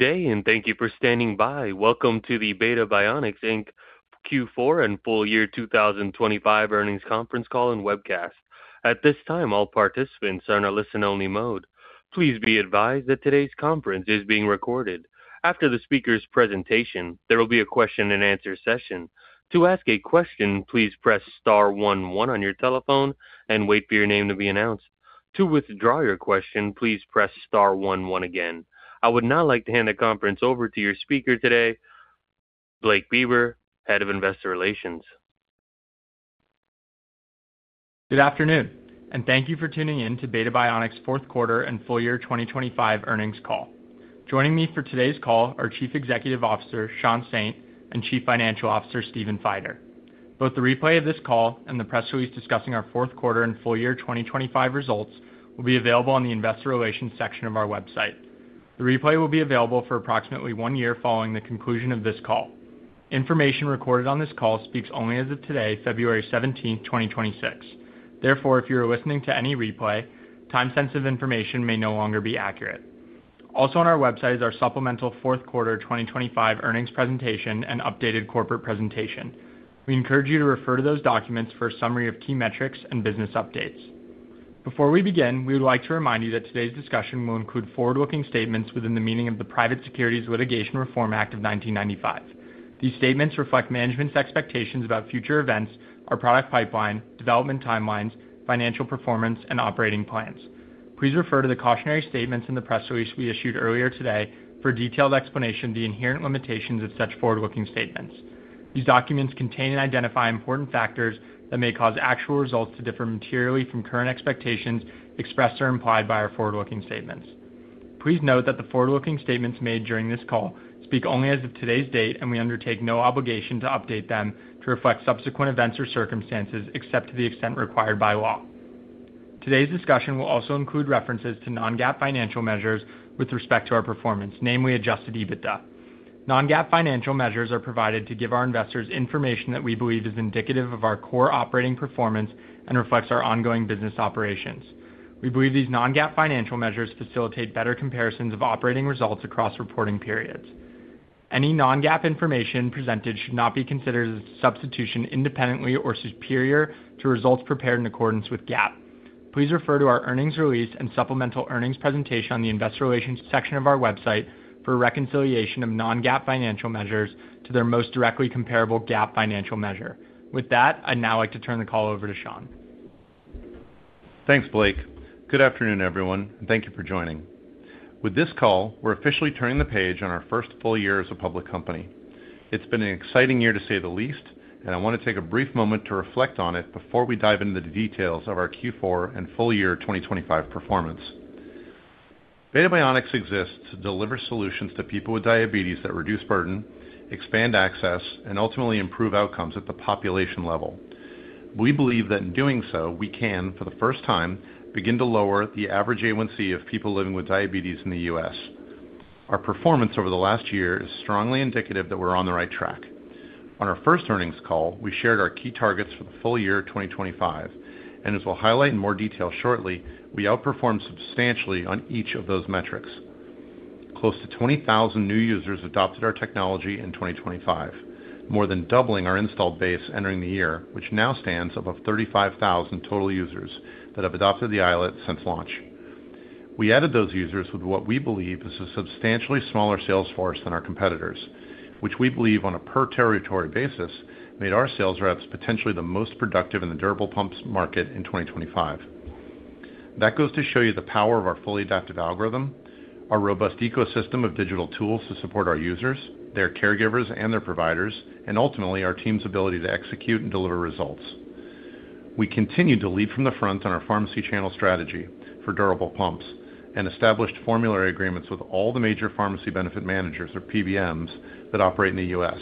Good day, and thank you for standing by. Welcome to the Beta Bionics, Inc. Q4 and full year 2025 earnings conference call and webcast. At this time, all participants are in a listen-only mode. Please be advised that today's conference is being recorded. After the speaker's presentation, there will be a question-and-answer session. To ask a question, please press star one one on your telephone and wait for your name to be announced. To withdraw your question, please press star one one again. I would now like to hand the conference over to your speaker today, Blake Beber, Head of Investor Relations. Good afternoon, and thank you for tuning in to Beta Bionics' fourth quarter and full year 2025 earnings call. Joining me for today's call are Chief Executive Officer Sean Saint and Chief Financial Officer Stephen Feider. Both the replay of this call and the press release discussing our fourth quarter and full year 2025 results will be available on the investor relations section of our website. The replay will be available for approximately one year following the conclusion of this call. Information recorded on this call speaks only as of today, February 17, 2026. Therefore, if you are listening to any replay, time-sensitive information may no longer be accurate. Also on our website is our supplemental fourth quarter 2025 earnings presentation and updated corporate presentation. We encourage you to refer to those documents for a summary of key metrics and business updates. Before we begin, we would like to remind you that today's discussion will include forward-looking statements within the meaning of the Private Securities Litigation Reform Act of 1995. These statements reflect management's expectations about future events, our product pipeline, development timelines, financial performance, and operating plans. Please refer to the cautionary statements in the press release we issued earlier today for a detailed explanation of the inherent limitations of such forward-looking statements. These documents contain and identify important factors that may cause actual results to differ materially from current expectations expressed or implied by our forward-looking statements. Please note that the forward-looking statements made during this call speak only as of today's date, and we undertake no obligation to update them to reflect subsequent events or circumstances, except to the extent required by law. Today's discussion will also include references to non-GAAP financial measures with respect to our performance, namely Adjusted EBITDA. Non-GAAP financial measures are provided to give our investors information that we believe is indicative of our core operating performance and reflects our ongoing business operations. We believe these non-GAAP financial measures facilitate better comparisons of operating results across reporting periods. Any non-GAAP information presented should not be considered as a substitution independently or superior to results prepared in accordance with GAAP. Please refer to our earnings release and supplemental earnings presentation on the investor relations section of our website for a reconciliation of non-GAAP financial measures to their most directly comparable GAAP financial measure. With that, I'd now like to turn the call over to Sean. Thanks, Blake. Good afternoon, everyone, and thank you for joining. With this call, we're officially turning the page on our first full year as a public company. It's been an exciting year, to say the least, and I want to take a brief moment to reflect on it before we dive into the details of our Q4 and full year 2025 performance. Beta Bionics exists to deliver solutions to people with diabetes that reduce burden, expand access, and ultimately improve outcomes at the population level. We believe that in doing so, we can, for the first time, begin to lower the average A1C of people living with diabetes in the U.S. Our performance over the last year is strongly indicative that we're on the right track. On our first earnings call, we shared our key targets for the full year 2025, and as we'll highlight in more detail shortly, we outperformed substantially on each of those metrics. Close to 20,000 new users adopted our technology in 2025, more than doubling our installed base entering the year, which now stands above 35,000 total users that have adopted the iLet since launch. We added those users with what we believe is a substantially smaller sales force than our competitors, which we believe, on a per territory basis, made our sales reps potentially the most productive in the durable pumps market in 2025. That goes to show you the power of our fully adaptive algorithm, our robust ecosystem of digital tools to support our users, their caregivers, and their providers, and ultimately, our team's ability to execute and deliver results. We continued to lead from the front on our pharmacy channel strategy for durable pumps and established formulary agreements with all the major pharmacy benefit managers, or PBMs, that operate in the U.S.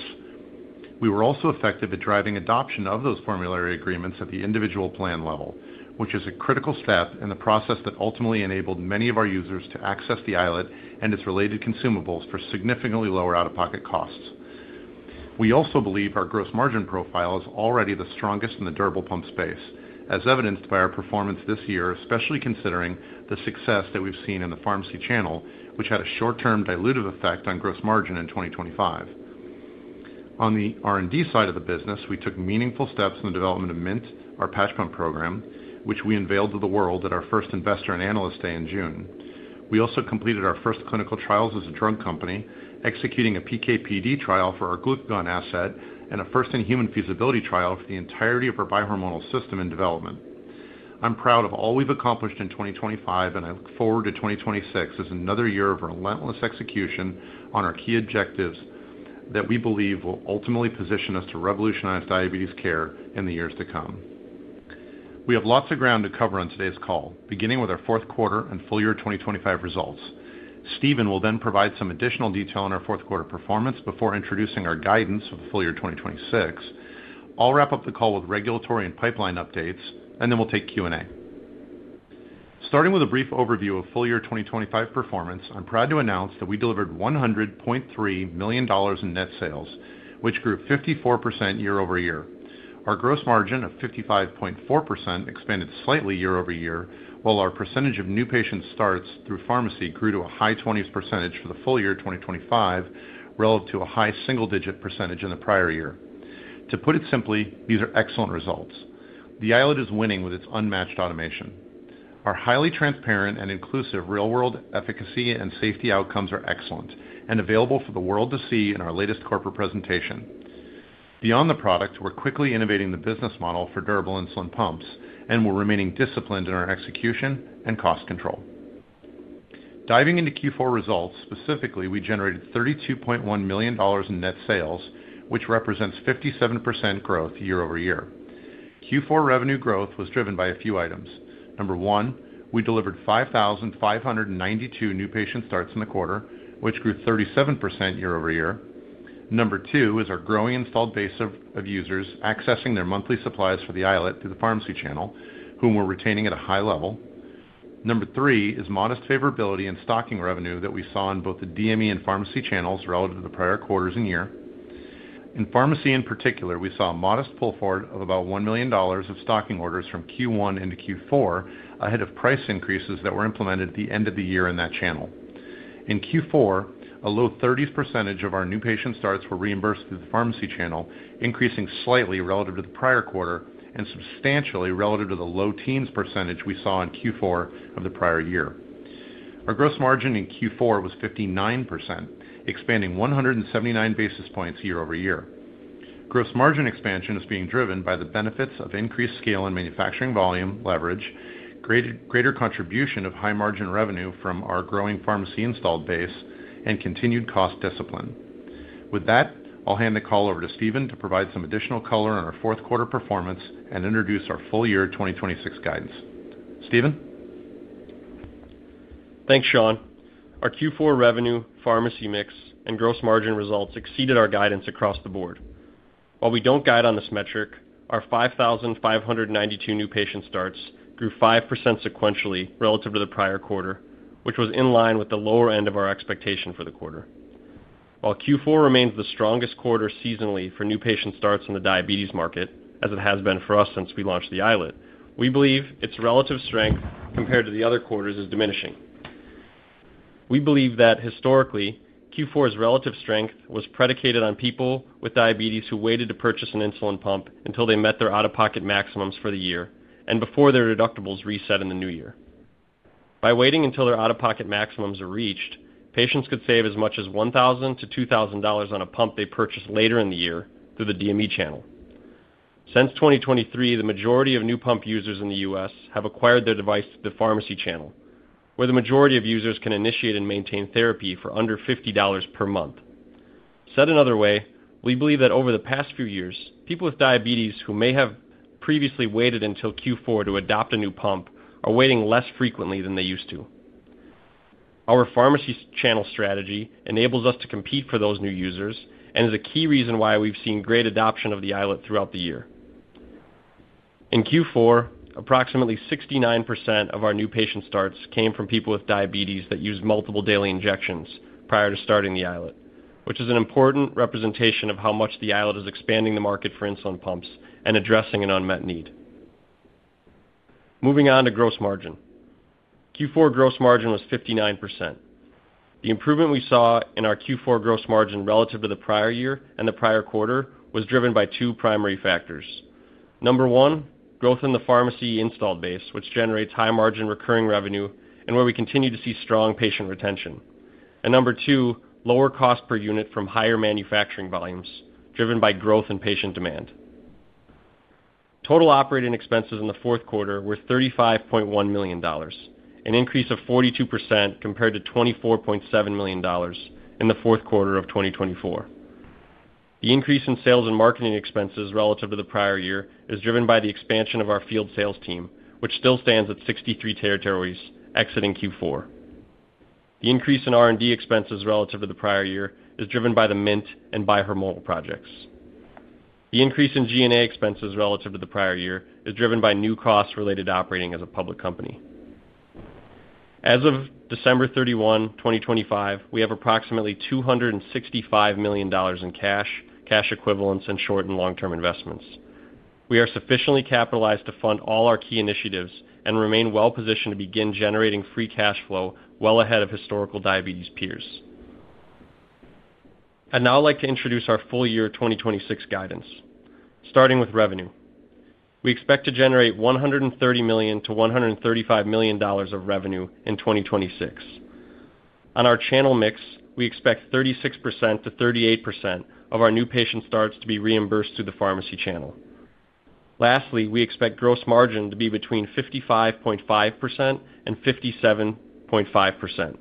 We were also effective at driving adoption of those formulary agreements at the individual plan level, which is a critical step in the process that ultimately enabled many of our users to access the iLet and its related consumables for significantly lower out-of-pocket costs. We also believe our gross margin profile is already the strongest in the durable pump space, as evidenced by our performance this year, especially considering the success that we've seen in the pharmacy channel, which had a short-term dilutive effect on gross margin in 2025. On the R&D side of the business, we took meaningful steps in the development of Mint, our patch pump program, which we unveiled to the world at our first Investor and Analyst Day in June. We also completed our first clinical trials as a drug company, executing a PK/PD trial for our Glucagon asset and a first-in-human feasibility trial for the entirety of our bihormonal system and development. I'm proud of all we've accomplished in 2025, and I look forward to 2026 as another year of relentless execution on our key objectives that we believe will ultimately position us to revolutionize diabetes care in the years to come. We have lots of ground to cover on today's call, beginning with our fourth quarter and full year 2025 results. Stephen will then provide some additional detail on our fourth quarter performance before introducing our guidance for full year 2026. I'll wrap up the call with regulatory and pipeline updates, and then we'll take Q&A. Starting with a brief overview of full year 2025 performance, I'm proud to announce that we delivered $100.3 million in net sales, which grew 54% year-over-year. Our gross margin of 55.4% expanded slightly year-over-year, while our percentage of new patient starts through pharmacy grew to a high 20s% for the full year 2025, relative to a high single-digit % in the prior year. To put it simply, these are excellent results. The iLet is winning with its unmatched automation. Our highly transparent and inclusive real-world efficacy and safety outcomes are excellent and available for the world to see in our latest corporate presentation. Beyond the product, we're quickly innovating the business model for durable insulin pumps, and we're remaining disciplined in our execution and cost control. Diving into Q4 results, specifically, we generated $32.1 million in net sales, which represents 57% growth year-over-year. Q4 revenue growth was driven by a few items. Number one, we delivered 5,592 new patient starts in the quarter, which grew 37% year-over-year. Number two is our growing installed base of users accessing their monthly supplies for the iLet through the pharmacy channel, whom we're retaining at a high level. Number three is modest favorability in stocking revenue that we saw in both the DME and pharmacy channels relative to the prior quarters and year. In pharmacy, in particular, we saw a modest pull-forward of about $1 million of stocking orders from Q1 into Q4, ahead of price increases that were implemented at the end of the year in that channel. In Q4, a low 30s% of our new patient starts were reimbursed through the pharmacy channel, increasing slightly relative to the prior quarter, and substantially relative to the low teens% we saw in Q4 of the prior year. Our gross margin in Q4 was 59%, expanding 179 basis points year-over-year. Gross margin expansion is being driven by the benefits of increased scale and manufacturing volume leverage, greater, greater contribution of high-margin revenue from our growing pharmacy installed base, and continued cost discipline. With that, I'll hand the call over to Stephen to provide some additional color on our fourth quarter performance and introduce our full-year 2026 guidance. Stephen? Thanks, Sean. Our Q4 revenue, pharmacy mix, and gross margin results exceeded our guidance across the board. While we don't guide on this metric, our 5,592 new patient starts grew 5% sequentially relative to the prior quarter, which was in line with the lower end of our expectation for the quarter. While Q4 remains the strongest quarter seasonally for new patient starts in the diabetes market, as it has been for us since we launched the iLet, we believe its relative strength compared to the other quarters is diminishing. We believe that historically, Q4's relative strength was predicated on people with diabetes who waited to purchase an insulin pump until they met their out-of-pocket maximums for the year and before their deductibles reset in the new year. By waiting until their out-of-pocket maximums are reached, patients could save as much as $1,000-$2,000 on a pump they purchased later in the year through the DME channel. Since 2023, the majority of new pump users in the U.S. have acquired their device through the pharmacy channel, where the majority of users can initiate and maintain therapy for under $50 per month. Said another way, we believe that over the past few years, people with diabetes who may have previously waited until Q4 to adopt a new pump are waiting less frequently than they used to. Our pharmacy channel strategy enables us to compete for those new users and is a key reason why we've seen great adoption of the iLet throughout the year. In Q4, approximately 69% of our new patient starts came from people with diabetes that used multiple daily injections prior to starting the iLet, which is an important representation of how much the iLet is expanding the market for insulin pumps and addressing an unmet need. Moving on to gross margin. Q4 gross margin was 59%. The improvement we saw in our Q4 gross margin relative to the prior year and the prior quarter was driven by two primary factors. Number one, growth in the pharmacy installed base, which generates high-margin recurring revenue and where we continue to see strong patient retention. And number two, lower cost per unit from higher manufacturing volumes driven by growth in patient demand. Total operating expenses in the fourth quarter were $35.1 million, an increase of 42% compared to $24.7 million in the fourth quarter of 2024. The increase in sales and marketing expenses relative to the prior year is driven by the expansion of our field sales team, which still stands at 63 territories exiting Q4. The increase in R&D expenses relative to the prior year is driven by the Mint and Bihormonal projects. The increase in G&A expenses relative to the prior year is driven by new costs related to operating as a public company. As of December 31, 2025, we have approximately $265 million in cash, cash equivalents, and short and long-term investments. We are sufficiently capitalized to fund all our key initiatives and remain well positioned to begin generating free cash flow well ahead of historical diabetes peers. I'd now like to introduce our full-year 2026 guidance. Starting with revenue, we expect to generate $130 million-$135 million of revenue in 2026. On our channel mix, we expect 36%-38% of our new patient starts to be reimbursed through the pharmacy channel. Lastly, we expect gross margin to be between 55.5% and 57.5%.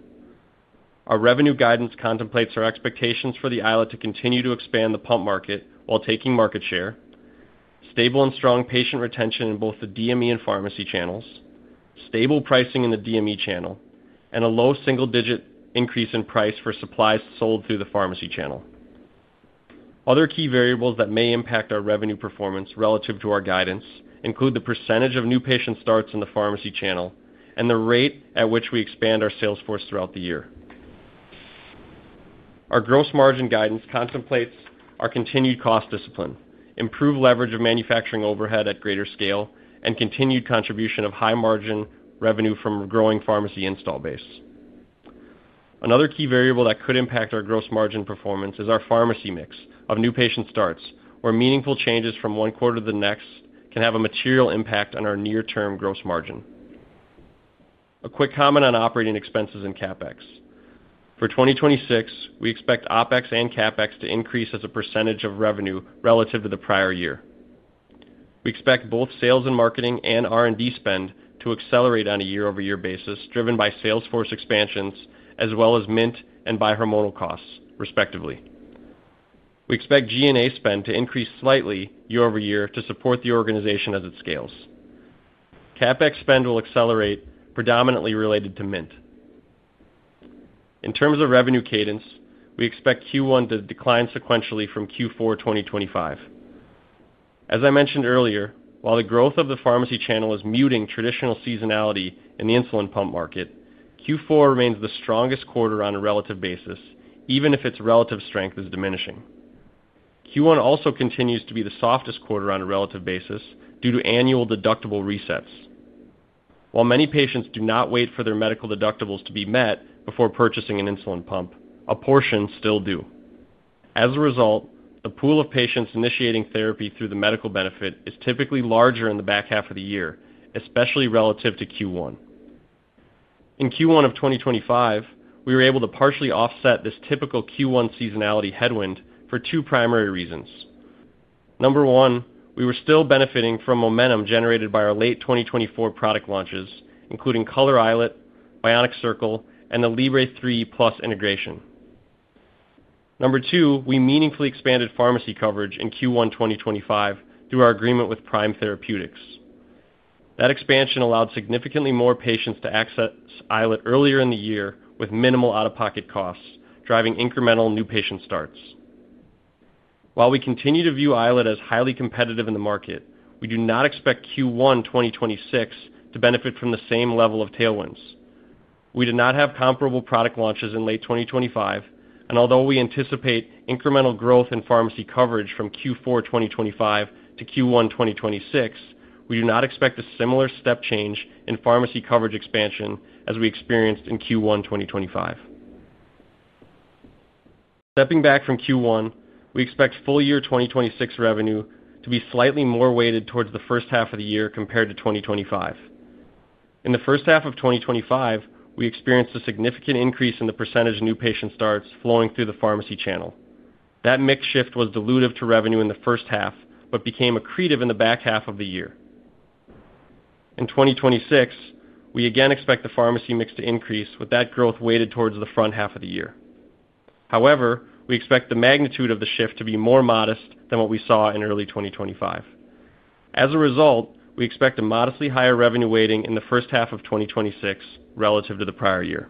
Our revenue guidance contemplates our expectations for the iLet to continue to expand the pump market while taking market share, stable and strong patient retention in both the DME and pharmacy channels, stable pricing in the DME channel, and a low single-digit increase in price for supplies sold through the pharmacy channel. Other key variables that may impact our revenue performance relative to our guidance include the percentage of new patient starts in the pharmacy channel and the rate at which we expand our sales force throughout the year.... Our gross margin guidance contemplates our continued cost discipline, improved leverage of manufacturing overhead at greater scale, and continued contribution of high margin revenue from a growing pharmacy install base. Another key variable that could impact our gross margin performance is our pharmacy mix of new patient starts, where meaningful changes from one quarter to the next can have a material impact on our near-term gross margin. A quick comment on operating expenses and CapEx. For 2026, we expect OpEx and CapEx to increase as a percentage of revenue relative to the prior year. We expect both sales and marketing and R&D spend to accelerate on a year-over-year basis, driven by sales force expansions as well as Mint and bihormonal costs, respectively. We expect G&A spend to increase slightly year over year to support the organization as it scales. CapEx spend will accelerate predominantly related to Mint. In terms of revenue cadence, we expect Q1 to decline sequentially from Q4 2025. As I mentioned earlier, while the growth of the pharmacy channel is muting traditional seasonality in the insulin pump market, Q4 remains the strongest quarter on a relative basis, even if its relative strength is diminishing. Q1 also continues to be the softest quarter on a relative basis due to annual deductible resets. While many patients do not wait for their medical deductibles to be met before purchasing an insulin pump, a portion still do. As a result, the pool of patients initiating therapy through the medical benefit is typically larger in the back half of the year, especially relative to Q1. In Q1 of 2025, we were able to partially offset this typical Q1 seasonality headwind for two primary reasons. Number one, we were still benefiting from momentum generated by our late 2024 product launches, including Color iLet, Bionic Circle, and the Libre Plus integration. Number two, we meaningfully expanded pharmacy coverage in Q1 2025 through our agreement with Prime Therapeutics. That expansion allowed significantly more patients to access iLet earlier in the year with minimal out-of-pocket costs, driving incremental new patient starts. While we continue to view iLet as highly competitive in the market, we do not expect Q1 2026 to benefit from the same level of tailwinds. We did not have comparable product launches in late 2025, and although we anticipate incremental growth in pharmacy coverage from Q4 2025 to Q1 2026, we do not expect a similar step change in pharmacy coverage expansion as we experienced in Q1 2025. Stepping back from Q1, we expect full year 2026 revenue to be slightly more weighted towards the first half of the year compared to 2025. In the first half of 2025, we experienced a significant increase in the percentage of new patient starts flowing through the pharmacy channel. That mix shift was dilutive to revenue in the first half, but became accretive in the back half of the year. In 2026, we again expect the pharmacy mix to increase, with that growth weighted towards the front half of the year. However, we expect the magnitude of the shift to be more modest than what we saw in early 2025. As a result, we expect a modestly higher revenue weighting in the first half of 2026 relative to the prior year.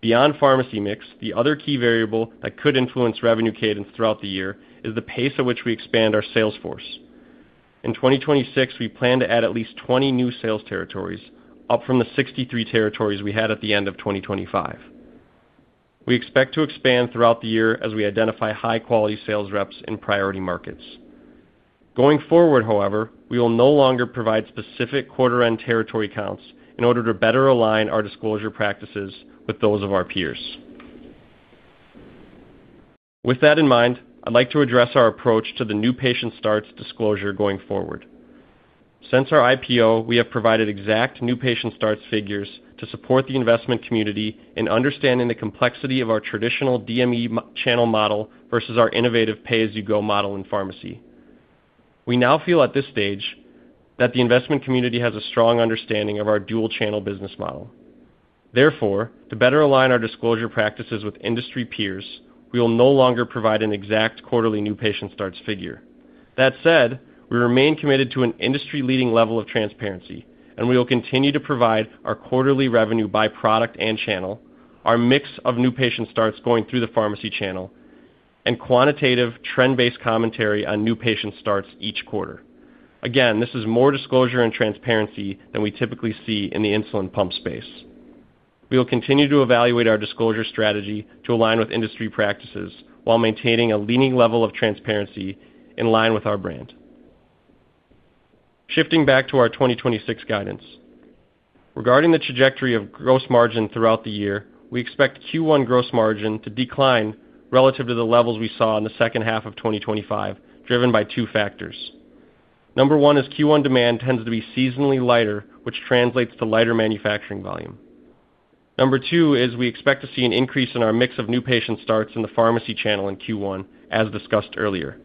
Beyond pharmacy mix, the other key variable that could influence revenue cadence throughout the year is the pace at which we expand our sales force. In 2026, we plan to add at least 20 new sales territories, up from the 63 territories we had at the end of 2025. We expect to expand throughout the year as we identify high-quality sales reps in priority markets. Going forward, however, we will no longer provide specific quarter-end territory counts in order to better align our disclosure practices with those of our peers. With that in mind, I'd like to address our approach to the new patient starts disclosure going forward. Since our IPO, we have provided exact new patient starts figures to support the investment community in understanding the complexity of our traditional DME channel model versus our innovative pay-as-you-go model in pharmacy. We now feel at this stage that the investment community has a strong understanding of our dual-channel business model. Therefore, to better align our disclosure practices with industry peers, we will no longer provide an exact quarterly new patient starts figure. That said, we remain committed to an industry-leading level of transparency, and we will continue to provide our quarterly revenue by product and channel, our mix of new patient starts going through the pharmacy channel, and quantitative trend-based commentary on new patient starts each quarter. Again, this is more disclosure and transparency than we typically see in the insulin pump space. We will continue to evaluate our disclosure strategy to align with industry practices while maintaining a leading level of transparency in line with our brand. Shifting back to our 2026 guidance. Regarding the trajectory of gross margin throughout the year, we expect Q1 gross margin to decline relative to the levels we saw in the second half of 2025, driven by two factors. Number one, Q1 demand tends to be seasonally lighter, which translates to lighter manufacturing volume. Number two is we expect to see an increase in our mix of new patient starts in the pharmacy channel in Q1, as discussed earlier.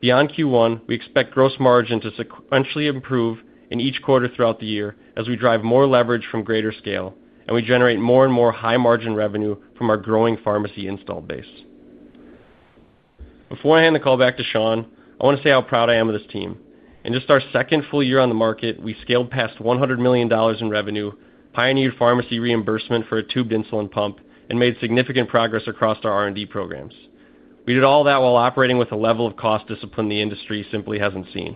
Beyond Q1, we expect gross margin to sequentially improve in each quarter throughout the year as we drive more leverage from greater scale, and we generate more and more high-margin revenue from our growing pharmacy install base. Before I hand the call back to Sean, I want to say how proud I am of this team. In just our second full year on the market, we scaled past $100 million in revenue, pioneered pharmacy reimbursement for a tubed insulin pump, and made significant progress across our R&D programs. We did all that while operating with a level of cost discipline the industry simply hasn't seen.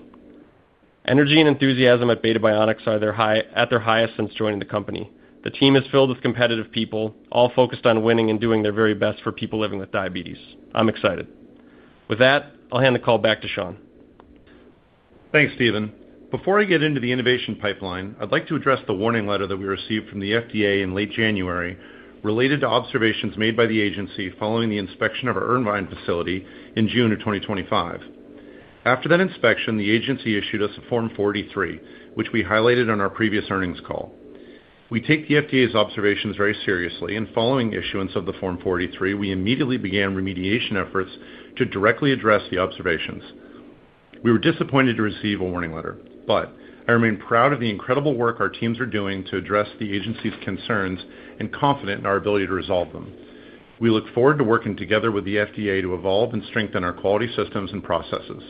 Energy and enthusiasm at Beta Bionics are at their highest since joining the company. The team is filled with competitive people, all focused on winning and doing their very best for people living with diabetes. I'm excited. With that, I'll hand the call back to Sean. Thanks, Stephen. Before I get into the innovation pipeline, I'd like to address the warning letter that we received from the FDA in late January related to observations made by the agency following the inspection of our Irvine facility in June 2025. After that inspection, the agency issued us a Form 483, which we highlighted on our previous earnings call. We take the FDA's observations very seriously, and following the issuance of the Form 483, we immediately began remediation efforts to directly address the observations. We were disappointed to receive a Warning Letter, but I remain proud of the incredible work our teams are doing to address the agency's concerns and confident in our ability to resolve them. We look forward to working together with the FDA to evolve and strengthen our quality systems and processes.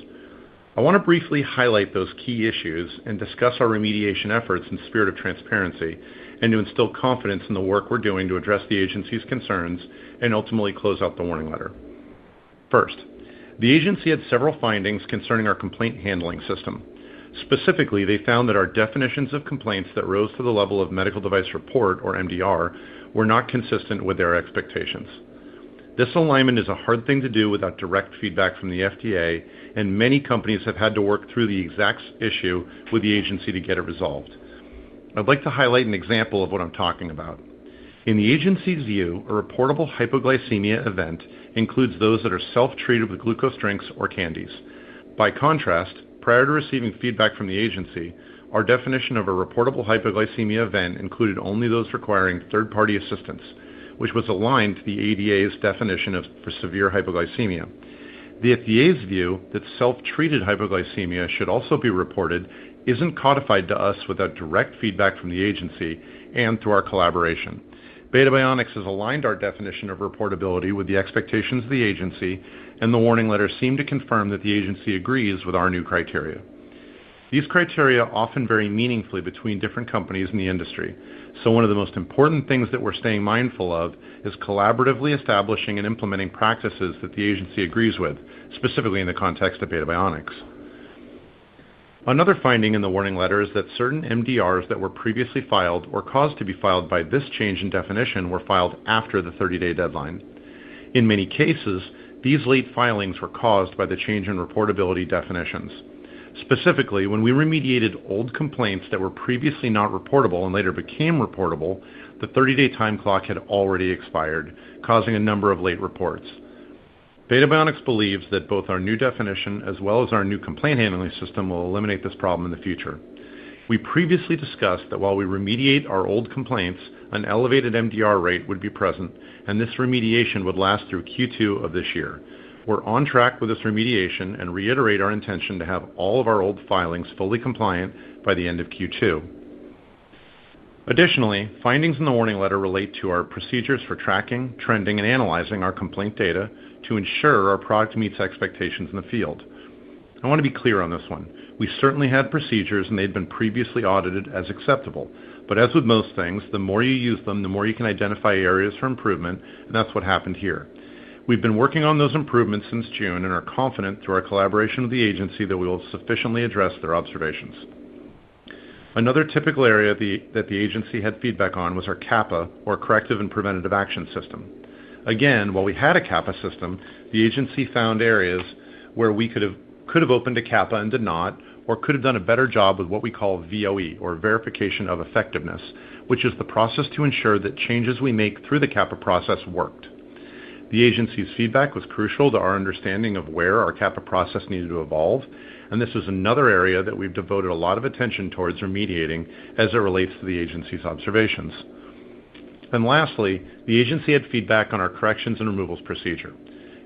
I want to briefly highlight those key issues and discuss our remediation efforts in spirit of transparency, and to instill confidence in the work we're doing to address the agency's concerns and ultimately close out the warning letter. First, the agency had several findings concerning our complaint handling system. Specifically, they found that our definitions of complaints that rose to the level of medical device report, or MDR, were not consistent with their expectations. This alignment is a hard thing to do without direct feedback from the FDA, and many companies have had to work through the exact issue with the agency to get it resolved. I'd like to highlight an example of what I'm talking about. In the agency's view, a reportable hypoglycemia event includes those that are self-treated with glucose drinks or candies. By contrast, prior to receiving feedback from the agency, our definition of a reportable hypoglycemia event included only those requiring third-party assistance, which was aligned to the ADA's definition of severe hypoglycemia. The FDA's view that self-treated hypoglycemia should also be reported isn't codified to us without direct feedback from the agency and through our collaboration. Beta Bionics has aligned our definition of reportability with the expectations of the agency, and the warning letter seemed to confirm that the agency agrees with our new criteria. These criteria often vary meaningfully between different companies in the industry, so one of the most important things that we're staying mindful of is collaboratively establishing and implementing practices that the agency agrees with, specifically in the context of Beta Bionics. Another finding in the warning letter is that certain MDRs that were previously filed or caused to be filed by this change in definition were filed after the 30-day deadline. In many cases, these late filings were caused by the change in reportability definitions. Specifically, when we remediated old complaints that were previously not reportable and later became reportable, the 30-day time clock had already expired, causing a number of late reports. Beta Bionics believes that both our new definition as well as our new complaint handling system will eliminate this problem in the future. We previously discussed that while we remediate our old complaints, an elevated MDR rate would be present, and this remediation would last through Q2 of this year. We're on track with this remediation and reiterate our intention to have all of our old filings fully compliant by the end of Q2. Additionally, findings in the warning letter relate to our for tracking, trending, and analyzing our complaint data to ensure our product meets expectations in the field. I want to be clear on this one. We certainly had procedures, and they had been previously audited as acceptable. But as with most things, the more you use them, the more you can identify areas for improvement, and that's what happened here. We've been working on those improvements since June and are confident, through our collaboration with the agency, that we will sufficiently address their observations. Another typical area that the agency had feedback on was our CAPA, or Corrective and Preventative Action System. Again, while we had a CAPA system, the agency found areas where we could have opened a CAPA and did not, or could have done a better job with what we call VOE, or Verification of Effectiveness, which is the process to ensure that changes we make through the CAPA process worked. The agency's feedback was crucial to our understanding of where our CAPA process needed to evolve, and this is another area that we've devoted a lot of attention towards remediating as it relates to the agency's observations. Lastly, the agency had feedback on our corrections and removals procedure.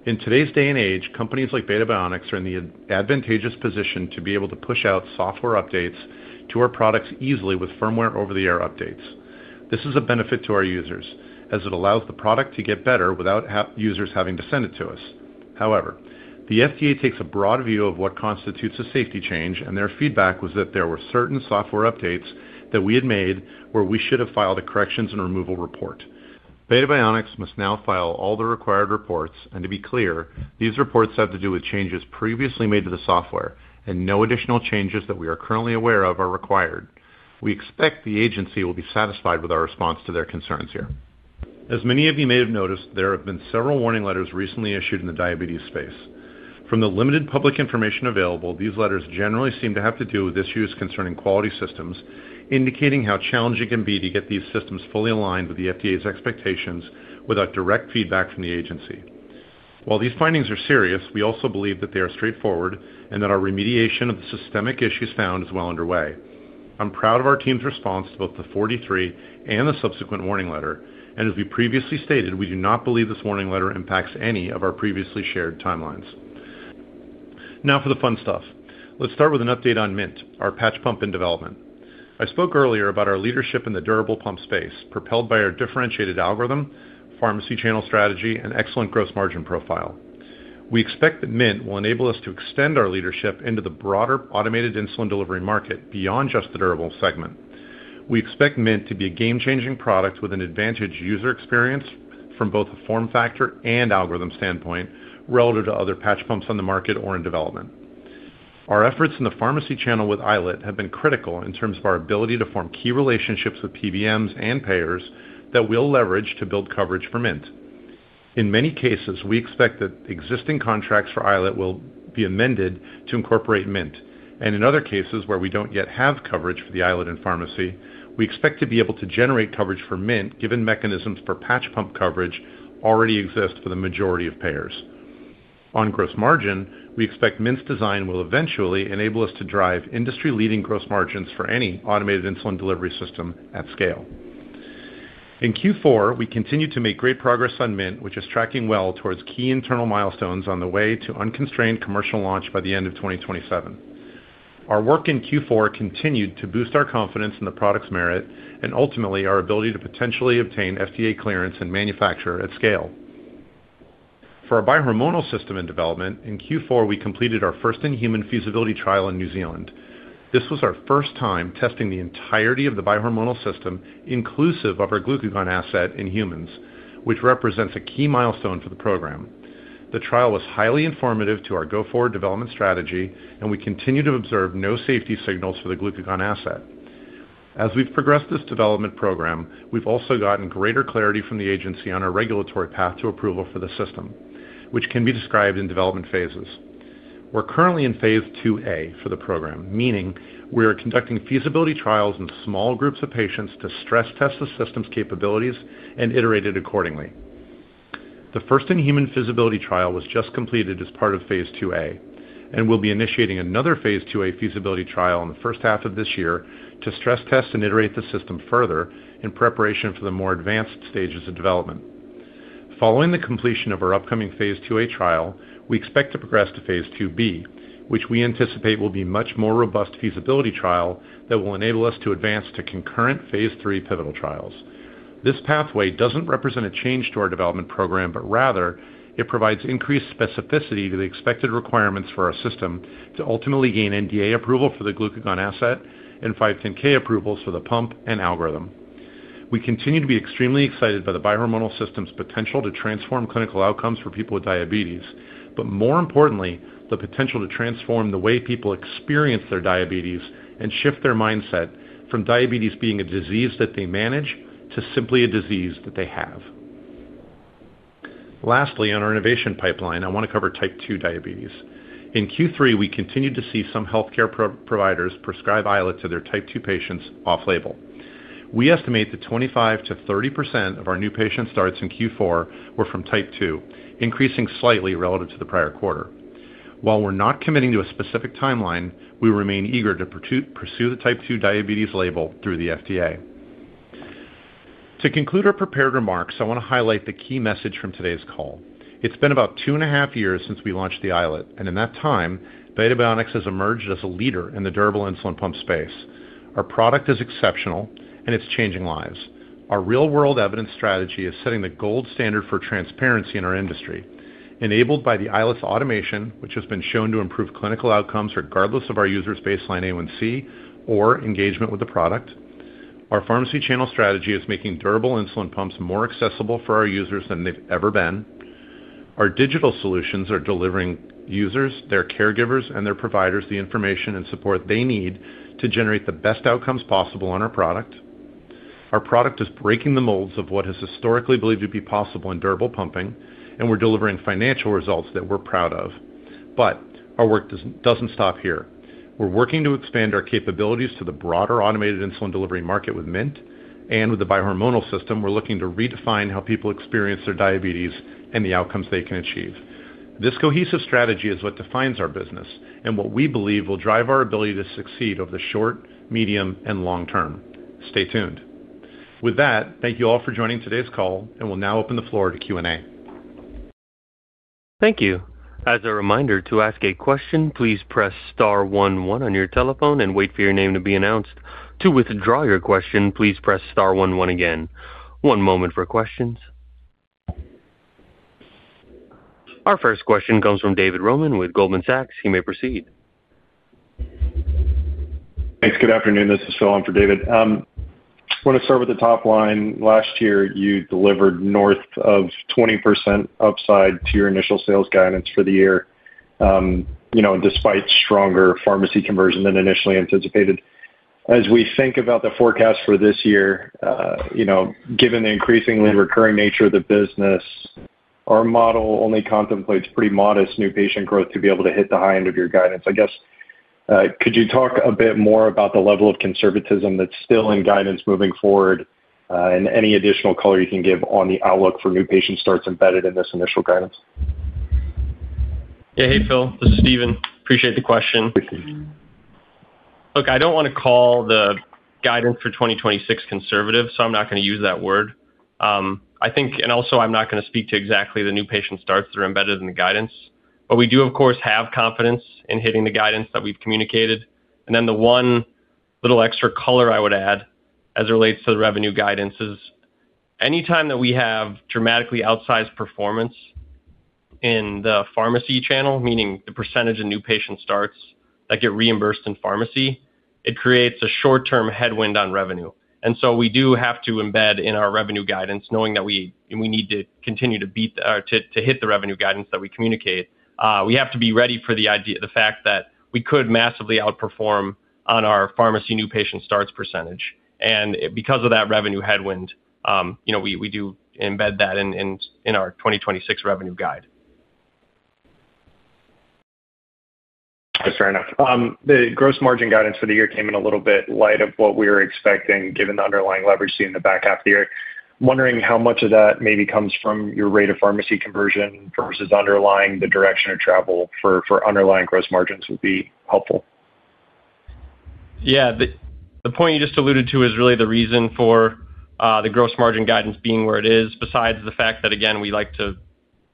In today's day and age, companies like Beta Bionics are in the advantageous position to be able to push out software updates to our products easily with firmware over-the-air updates. This is a benefit to our users, as it allows the product to get better without users having to send it to us. However, the FDA takes a broad view of what constitutes a safety change, and their feedback was that there were certain software updates that we had made where we should have filed a corrections and removals report. Beta Bionics must now file all the required reports, and to be clear, these reports have to do with changes previously made to the software and no additional changes that we are currently aware of are required. We expect the agency will be satisfied with our response to their concerns here. As many of you may have noticed, there have been several warning letters recently issued in the diabetes space. From the limited public information available, these letters generally seem to have to do with issues concerning quality systems, indicating how challenging it can be to get these systems fully aligned with the FDA's expectations without direct feedback from the agency. While these findings are serious, we also believe that they are straightforward and that our remediation of the systemic issues found is well underway. I'm proud of our team's response to both the 43 and the subsequent warning letter, and as we previously stated, we do not believe this warning letter impacts any of our previously shared timelines. Now for the fun stuff. Let's start with an update on Mint, our patch pump in development. I spoke earlier about our leadership in the durable pump space, propelled by our differentiated algorithm, pharmacy channel strategy, and excellent gross margin profile. We expect that Mint will enable us to extend our leadership into the broader automated insulin delivery market beyond just the durable segment. We expect Mint to be a game-changing product with an advantaged user experience from both a form factor and algorithm standpoint, relative to other patch pumps on the market or in development. Our efforts in the pharmacy channel with iLet have been critical in terms of our ability to form key relationships with PBMs and payers that we'll leverage to build coverage for Mint. In many cases, we expect that existing contracts for iLet will be amended to incorporate Mint, and in other cases where we don't yet have coverage for the iLet in pharmacy, we expect to be able to generate coverage for Mint, given mechanisms for patch pump coverage already exist for the majority of payers. On gross margin, we expect Mint's design will eventually enable us to drive industry-leading gross margins for any automated insulin delivery system at scale. In Q4, we continued to make great progress on Mint, which is tracking well towards key internal milestones on the way to unconstrained commercial launch by the end of 2027. Our work in Q4 continued to boost our confidence in the product's merit and ultimately our ability to potentially obtain FDA clearance and manufacture at scale. For our Bihormonal System development, in Q4, we completed our first-in-human feasibility trial in New Zealand. This was our first time testing the entirety of the Bihormonal System, inclusive of our glucagon asset in humans, which represents a key milestone for the program. The trial was highly informative to our go-forward development strategy, and we continue to observe no safety signals for the glucagon asset. As we've progressed this development program, we've also gotten greater clarity from the agency on our regulatory path to approval for the system, which can be described in development phases. We're currently in phase IIA for the program, meaning we are conducting feasibility trials in small groups of patients to stress test the system's capabilities and iterate it accordingly. The first in-human feasibility trial was just completed as part of phase IIA, and we'll be initiating another phase IIA feasibility trial in the first half of this year to stress test and iterate the system further in preparation for the more advanced stages of development. Following the completion of our upcoming phase IIA trial, we expect to progress to phase IIB, which we anticipate will be much more robust feasibility trial that will enable us to advance to concurrent phase III pivotal trials. This pathway doesn't represent a change to our development program, but rather it provides increased specificity to the expected requirements for our system to ultimately gain NDA approval for the glucagon asset and 510(k) approvals for the pump and algorithm. We continue to be extremely excited by the Bihormonal System's potential to transform clinical outcomes for people with diabetes, but more importantly, the potential to transform the way people experience their diabetes and shift their mindset from diabetes being a disease that they manage to simply a disease that they have. Lastly, on our innovation pipeline, I want to Type 2 diabetes. In Q3, we continued to see some healthcare providers prescribe iLet to Type 2 patients off-label. We estimate that 25%-30% of our new patient starts in Q4 were Type 2, increasing slightly relative to the prior quarter. While we're not committing to a specific timeline, we remain eager to pursue Type 2 diabetes label through the FDA. To conclude our prepared remarks, I want to highlight the key message from today's call. It's been about 2.5 years since we launched the iLet, and in that time, Beta Bionics has emerged as a leader in the durable insulin pump space. Our product is exceptional, and it's changing lives. Our real-world evidence strategy is setting the gold standard for transparency in our industry, enabled by the iLet's automation, which has been shown to improve clinical outcomes regardless of our users' baseline A1C or engagement with the product. Our pharmacy channel strategy is making durable insulin pumps more accessible for our users than they've ever been. Our digital solutions are delivering users, their caregivers, and their providers, the information and support they need to generate the best outcomes possible on our product. Our product is breaking the molds of what is historically believed to be possible in durable pumping, and we're delivering financial results that we're proud of. But our work doesn't stop here. We're working to expand our capabilities to the broader automated insulin delivery market with Mint, and with the Bihormonal System, we're looking to redefine how people experience their diabetes and the outcomes they can achieve. This cohesive strategy is what defines our business and what we believe will drive our ability to succeed over the short, medium, and long term. Stay tuned. With that, thank you all for joining today's call, and we'll now open the floor to Q&A. Thank you. As a reminder to ask a question, please press star one one on your telephone and wait for your name to be announced. To withdraw your question, please press star one one again. One moment for questions. Our first question comes from David Roman with Goldman Sachs. He may proceed. Thanks. Good afternoon, this is Phil in for David. I want to start with the top line. Last year, you delivered north of 20% upside to your initial sales guidance for the year, you know, despite stronger pharmacy conversion than initially anticipated. As we think about the forecast for this year, you know, given the increasingly recurring nature of the business, our model only contemplates pretty modest new patient growth to be able to hit the high end of your guidance. I guess, could you talk a bit more about the level of conservatism that's still in guidance moving forward, and any additional color you can give on the outlook for new patient starts embedded in this initial guidance? Yeah. Hey, Phil, this is Stephen. Appreciate the question. Look, I don't want to call the guidance for 2026 conservative, so I'm not going to use that word. I think... And also, I'm not going to speak to exactly the new patient starts that are embedded in the guidance, but we do, of course, have confidence in hitting the guidance that we've communicated. And then the one little extra color I would add as it relates to the revenue guidance is, anytime that we have dramatically outsized performance-... in the pharmacy channel, meaning the percentage of new patient starts that get reimbursed in pharmacy, it creates a short-term headwind on revenue. And so we do have to embed in our revenue guidance, knowing that we, we need to continue to beat or to, to hit the revenue guidance that we communicate. We have to be ready for the idea, the fact that we could massively outperform on our pharmacy new patient starts percentage. And because of that revenue headwind, you know, we, we do embed that in, in, in our 2026 revenue guide. That's fair enough. The gross margin guidance for the year came in a little bit light of what we were expecting, given the underlying leverage seen in the back half of the year. I'm wondering how much of that maybe comes from your rate of pharmacy conversion versus underlying the direction of travel for underlying gross margins would be helpful? Yeah. The point you just alluded to is really the reason for the gross margin guidance being where it is, besides the fact that, again, we like to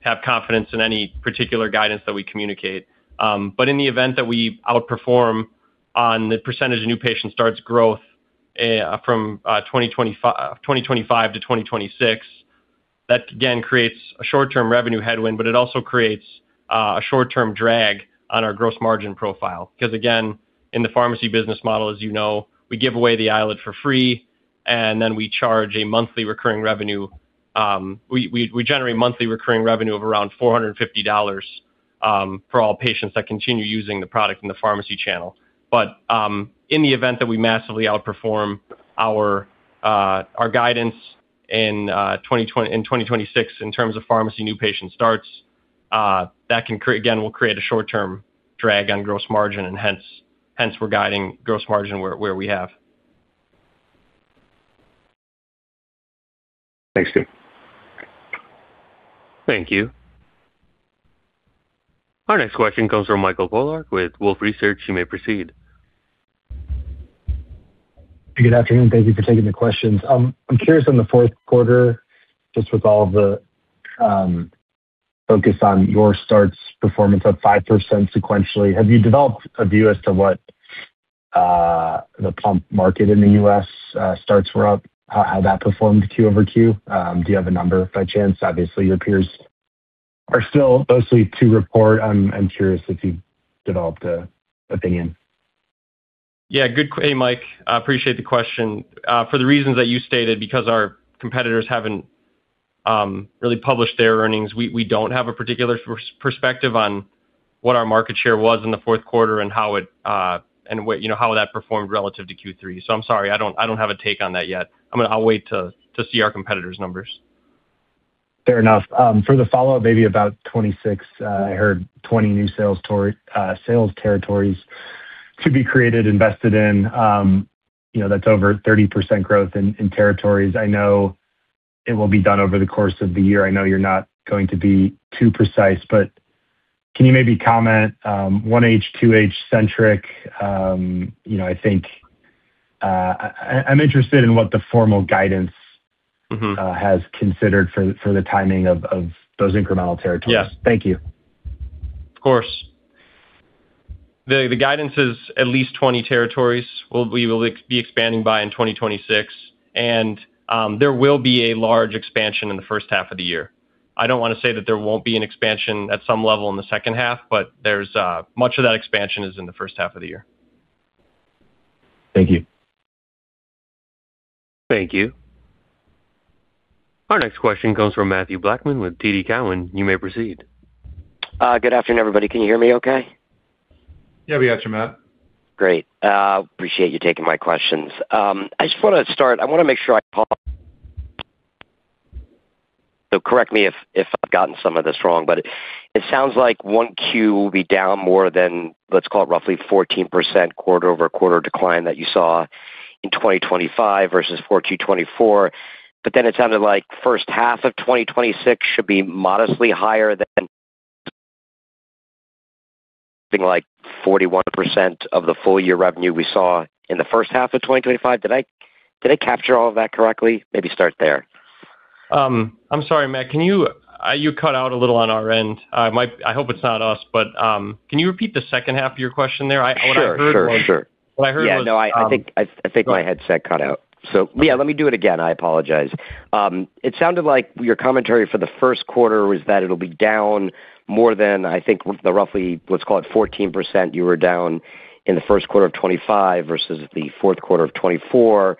have confidence in any particular guidance that we communicate. But in the event that we outperform on the percentage of new patient starts growth from 2025 to 2026, that again creates a short-term revenue headwind, but it also creates a short-term drag on our gross margin profile. Because, again, in the pharmacy business model, as you know, we give away the iLet for free, and then we charge a monthly recurring revenue. We generate monthly recurring revenue of around $450 for all patients that continue using the product in the pharmacy channel. But in the event that we massively outperform our guidance in 2026 in terms of pharmacy new patient starts, that can create, again, will create a short-term drag on gross margin, and hence we're guiding gross margin where we have. Thanks, Steve. Thank you. Our next question comes from Michael Polark with Wolfe Research. You may proceed. Good afternoon. Thank you for taking the questions. I'm curious, in the fourth quarter, just with all the focus on your starts performance up 5% sequentially, have you developed a view as to what the pump market in the U.S. starts were up? How that performed QoQ? Do you have a number by chance? Obviously, your peers are still mostly to report. I'm curious if you've developed an opinion. Yeah, good. Hey, Mike, I appreciate the question. For the reasons that you stated, because our competitors haven't really published their earnings, we, we don't have a particular perspective on what our market share was in the fourth quarter and how it, and what, you know, how that performed relative to Q3. So I'm sorry, I don't, I don't have a take on that yet. I'll wait to see our competitors' numbers. Fair enough. For the follow-up, maybe about 2026, I heard 20 new sales territories to be created, invested in. You know, that's over 30% growth in territories. I know it will be done over the course of the year. I know you're not going to be too precise, but can you maybe comment, 1H, 2H centric? You know, I think, I, I'm interested in what the formal guidance- Mm-hmm... has considered for the timing of those incremental territories. Yeah. Thank you. Of course. The guidance is at least 20 territories, we will be expanding beginning in 2026, and there will be a large expansion in the first half of the year. I don't want to say that there won't be an expansion at some level in the second half, but there's much of that expansion is in the first half of the year. Thank you. Thank you. Our next question comes from Matthew Blackman with TD Cowen. You may proceed. Good afternoon, everybody. Can you hear me okay? Yeah, we got you, Matt. Great. Appreciate you taking my questions. I just want to start. I want to make sure. So correct me if, if I've gotten some of this wrong, but it sounds like 1Q will be down more than, let's call it, roughly 14% quarter-over-quarter decline that you saw in 2025 versus 4Q 2024. But then it sounded like first half of 2026 should be modestly higher than something like 41% of the full year revenue we saw in the first half of 2025. Did I, did I capture all of that correctly? Maybe start there. I'm sorry, Matt, can you—you cut out a little on our end. I hope it's not us, but, can you repeat the second half of your question there? What I heard was- Sure, sure, sure. What I heard was. Yeah, no, I think my headset cut out. So yeah, let me do it again. I apologize. It sounded like your commentary for the first quarter was that it'll be down more than, I think, the roughly, let's call it 14% you were down in the first quarter of 2025 versus the fourth quarter of 2024.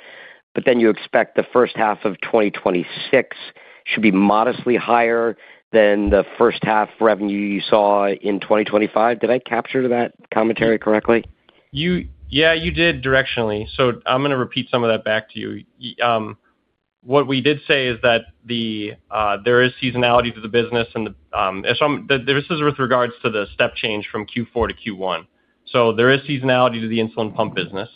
But then you expect the first half of 2026 should be modestly higher than the first half revenue you saw in 2025. Did I capture that commentary correctly? Yeah, you did directionally. So I'm going to repeat some of that back to you. What we did say is that there is seasonality to the business and this is with regards to the step change from Q4 to Q1. So there is seasonality to the insulin pump business.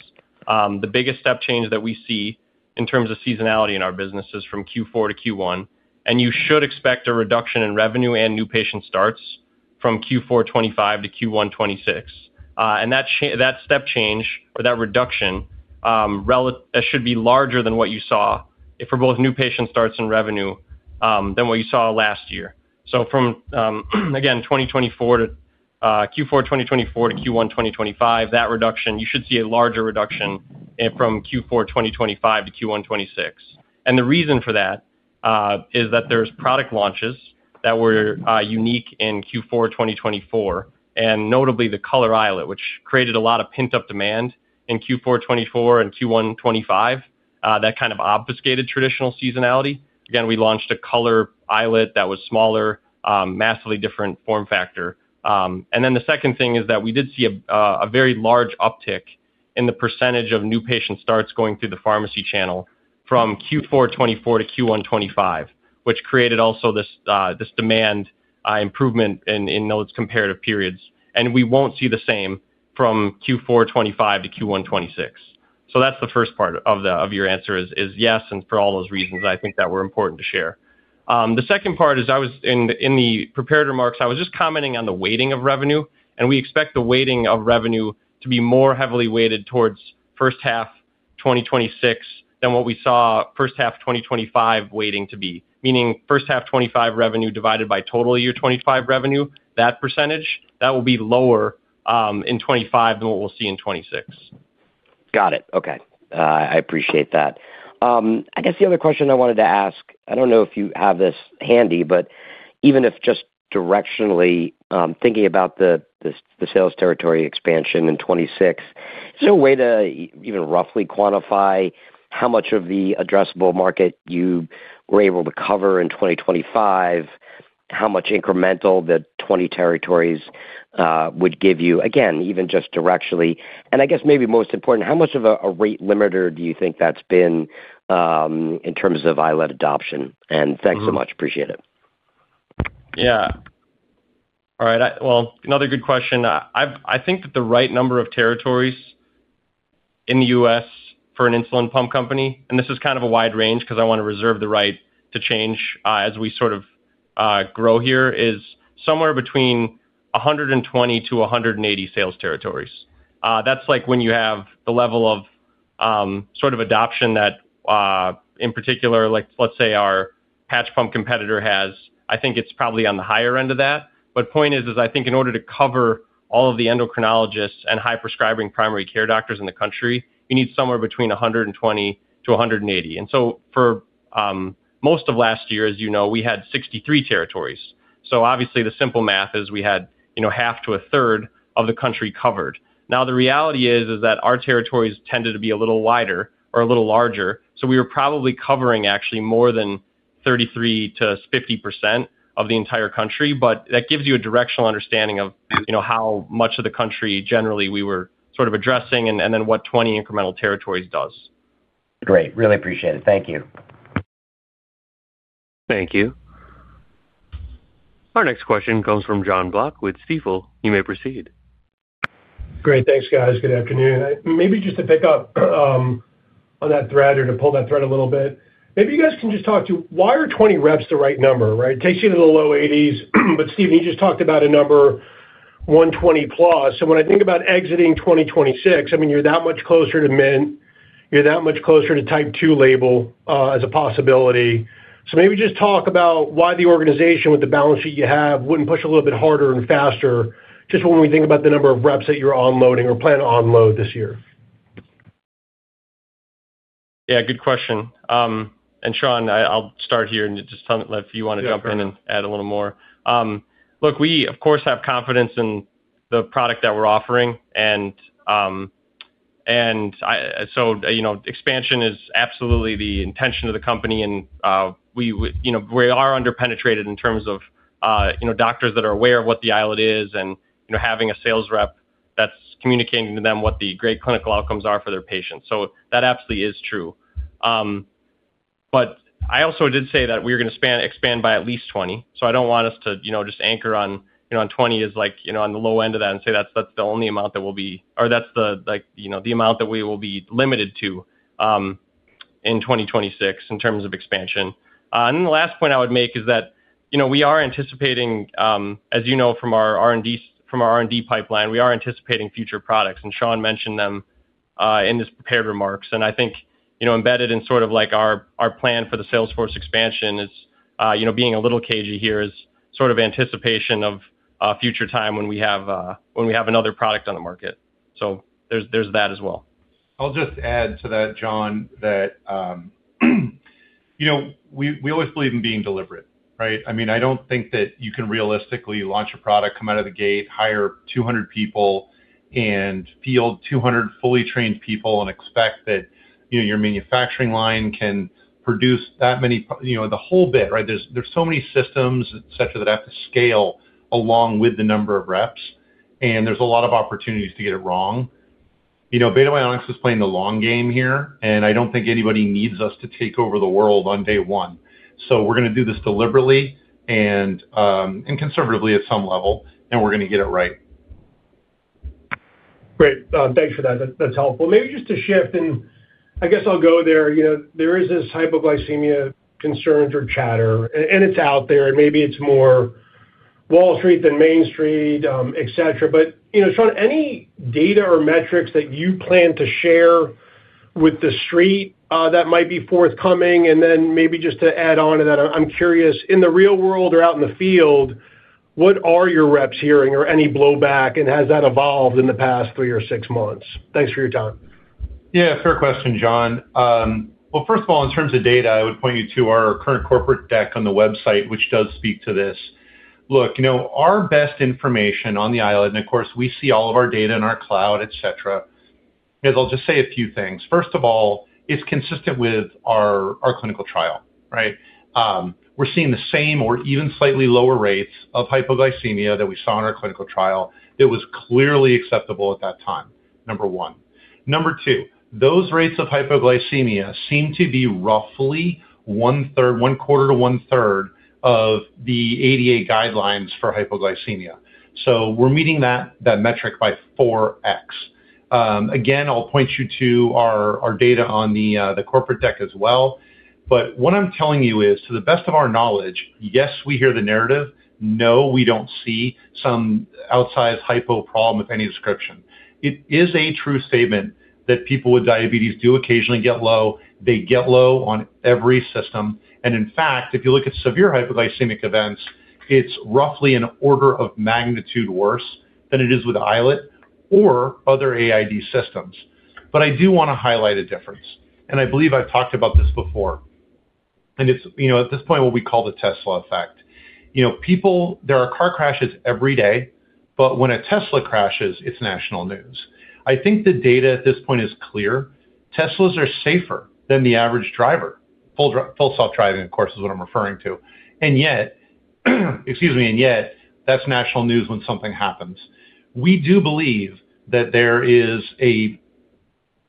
The biggest step change that we see in terms of seasonality in our business is from Q4 to Q1, and you should expect a reduction in revenue and new patient starts from Q4 2025 to Q1 2026. And that step change or that reduction, it should be larger than what you saw for both new patient starts and revenue, than what you saw last year. So from, again, 2024 to-... Q4 2024 to Q1 2025, that reduction, you should see a larger reduction from Q4 2025 to Q1 2026. And the reason for that is that there's product launches that were unique in Q4 2024, and notably the color iLet, which created a lot of pent-up demand in Q4 2024 and Q1 2025. That kind of obfuscated traditional seasonality. Again, we launched a color iLet that was smaller, massively different form factor. And then the second thing is that we did see a very large uptick in the percentage of new patient starts going through the pharmacy channel from Q4 2024 to Q1 2025, which created also this demand improvement in those comparative periods, and we won't see the same from Q4 2025 to Q1 2026. So that's the first part of your answer, is yes, and for all those reasons I think that were important to share. The second part is, I was in the prepared remarks, I was just commenting on the weighting of revenue, and we expect the weighting of revenue to be more heavily weighted towards first half 2026 than what we saw first half 2025 weighting to be. Meaning, first half 2025 revenue divided by total year 2025 revenue, that percentage, that will be lower in 2025 than what we'll see in 2026. Got it. Okay. I appreciate that. I guess the other question I wanted to ask, I don't know if you have this handy, but even if just directionally, thinking about the sales territory expansion in 2026, is there a way to even roughly quantify how much of the addressable market you were able to cover in 2025? How much incremental the 20 territories would give you? Again, even just directionally. And I guess maybe most important, how much of a rate limiter do you think that's been, in terms of iLet adoption? Mm-hmm. Thanks so much. Appreciate it. Yeah. All right, well, another good question. I think that the right number of territories in the U.S. for an insulin pump company, and this is kind of a wide range because I want to reserve the right to change as we sort of grow here, is somewhere between 120-180 sales territories. That's like when you have the level of sort of adoption that in particular, like, let's say our patch pump competitor has. I think it's probably on the higher end of that. But point is, I think in order to cover all of the endocrinologists and high-prescribing primary care doctors in the country, you need somewhere between 120-180. And so for most of last year, as you know, we had 63 territories. So obviously, the simple math is we had, you know, half to a third of the country covered. Now, the reality is, is that our territories tended to be a little wider or a little larger, so we were probably covering actually more than 33%-50% of the entire country. But that gives you a directional understanding of, you know, how much of the country generally we were sort of addressing and, and then what 20 incremental territories does. Great. Really appreciate it. Thank you. Thank you. Our next question comes from Jon Block with Stifel. You may proceed. Great. Thanks, guys. Good afternoon. Maybe just to pick up on that thread or to pull that thread a little bit. Maybe you guys can just talk to why are 20 reps the right number, right? It takes you to the low 80s, but Stephen, you just talked about a number, 120+. So when I think about exiting 2026, I mean, you're that much closer to Mint, you're that much closer to Type 2 label as a possibility. So maybe just talk about why the organization with the balance sheet you have wouldn't push a little bit harder and faster, just when we think about the number of reps that you're onboarding or plan to onboard this year. Yeah, good question. And Sean, I'll start here and just tell me if you want to jump in. Yeah, sure. - and add a little more. Look, we, of course, have confidence in the product that we're offering, and, and I... So, you know, expansion is absolutely the intention of the company, and, we, you know, we are underpenetrated in terms of, you know, doctors that are aware of what the iLet is and, you know, having a sales rep that's communicating to them what the great clinical outcomes are for their patients. So that absolutely is true. But I also did say that we were going to expand by at least 20, so I don't want us to, you know, just anchor on, you know, on 20 is like, you know, on the low end of that and say that's, that's the only amount that we'll be or that's the, like, you know, the amount that we will be limited to, in 2026 in terms of expansion. And then the last point I would make is that, you know, we are anticipating, as you know, from our R&D pipeline, we are anticipating future products, and Sean mentioned them, in his prepared remarks. I think, you know, embedded in sort of like our plan for the sales force expansion is, you know, being a little cagey here is sort of anticipation of a future time when we have another product on the market. So there's that as well. I'll just add to that, Jon, that, you know, we, we always believe in being deliberate, right? I mean, I don't think that you can realistically launch a product, come out of the gate, hire 200 people, and field 200 fully trained people and expect that, you know, your manufacturing line can produce that many, you know, the whole bit, right? There's, there's so many systems, et cetera, that have to scale along with the number of reps, and there's a lot of opportunities to get it wrong. You know, Beta Bionics is playing the long game here, and I don't think anybody needs us to take over the world on day one. So we're going to do this deliberately and, and conservatively at some level, and we're going to get it right. Great. Thanks for that. That's, that's helpful. Maybe just to shift, and I guess I'll go there. You know, there is this hypoglycemia concerns or chatter, and it's out there, and maybe it's more Wall Street than Main Street, et cetera. But, you know, Sean, any data or metrics that you plan to share... with the street, that might be forthcoming? And then maybe just to add on to that, I'm curious, in the real world or out in the field, what are your reps hearing or any blowback, and has that evolved in the past three or six months? Thanks for your time. Yeah, fair question, Jon. Well, first of all, in terms of data, I would point you to our current corporate deck on the website, which does speak to this. Look, you know, our best information on the iLet, and of course, we see all of our data in our cloud, et cetera. I'll just say a few things. First of all, it's consistent with our clinical trial, right? We're seeing the same or even slightly lower rates of hypoglycemia that we saw in our clinical trial. It was clearly acceptable at that time, number one. Number two, those rates of hypoglycemia seem to be roughly one-third, one-quarter to one-third of the ADA guidelines for hypoglycemia. So we're meeting that metric by 4x. Again, I'll point you to our data on the corporate deck as well. But what I'm telling you is, to the best of our knowledge, yes, we hear the narrative. No, we don't see some outsized hypo problem of any description. It is a true statement that people with diabetes do occasionally get low. They get low on every system. And in fact, if you look at severe hypoglycemic events, it's roughly an order of magnitude worse than it is with iLet or other AID systems. But I do want to highlight a difference, and I believe I've talked about this before, and it's, you know, at this point, what we call the Tesla effect. You know, people, there are car crashes every day, but when a Tesla crashes, it's national news. I think the data at this point is clear. Teslas are safer than the average driver. Full self-driving, of course, is what I'm referring to. And yet, excuse me, that's national news when something happens. We do believe that there is a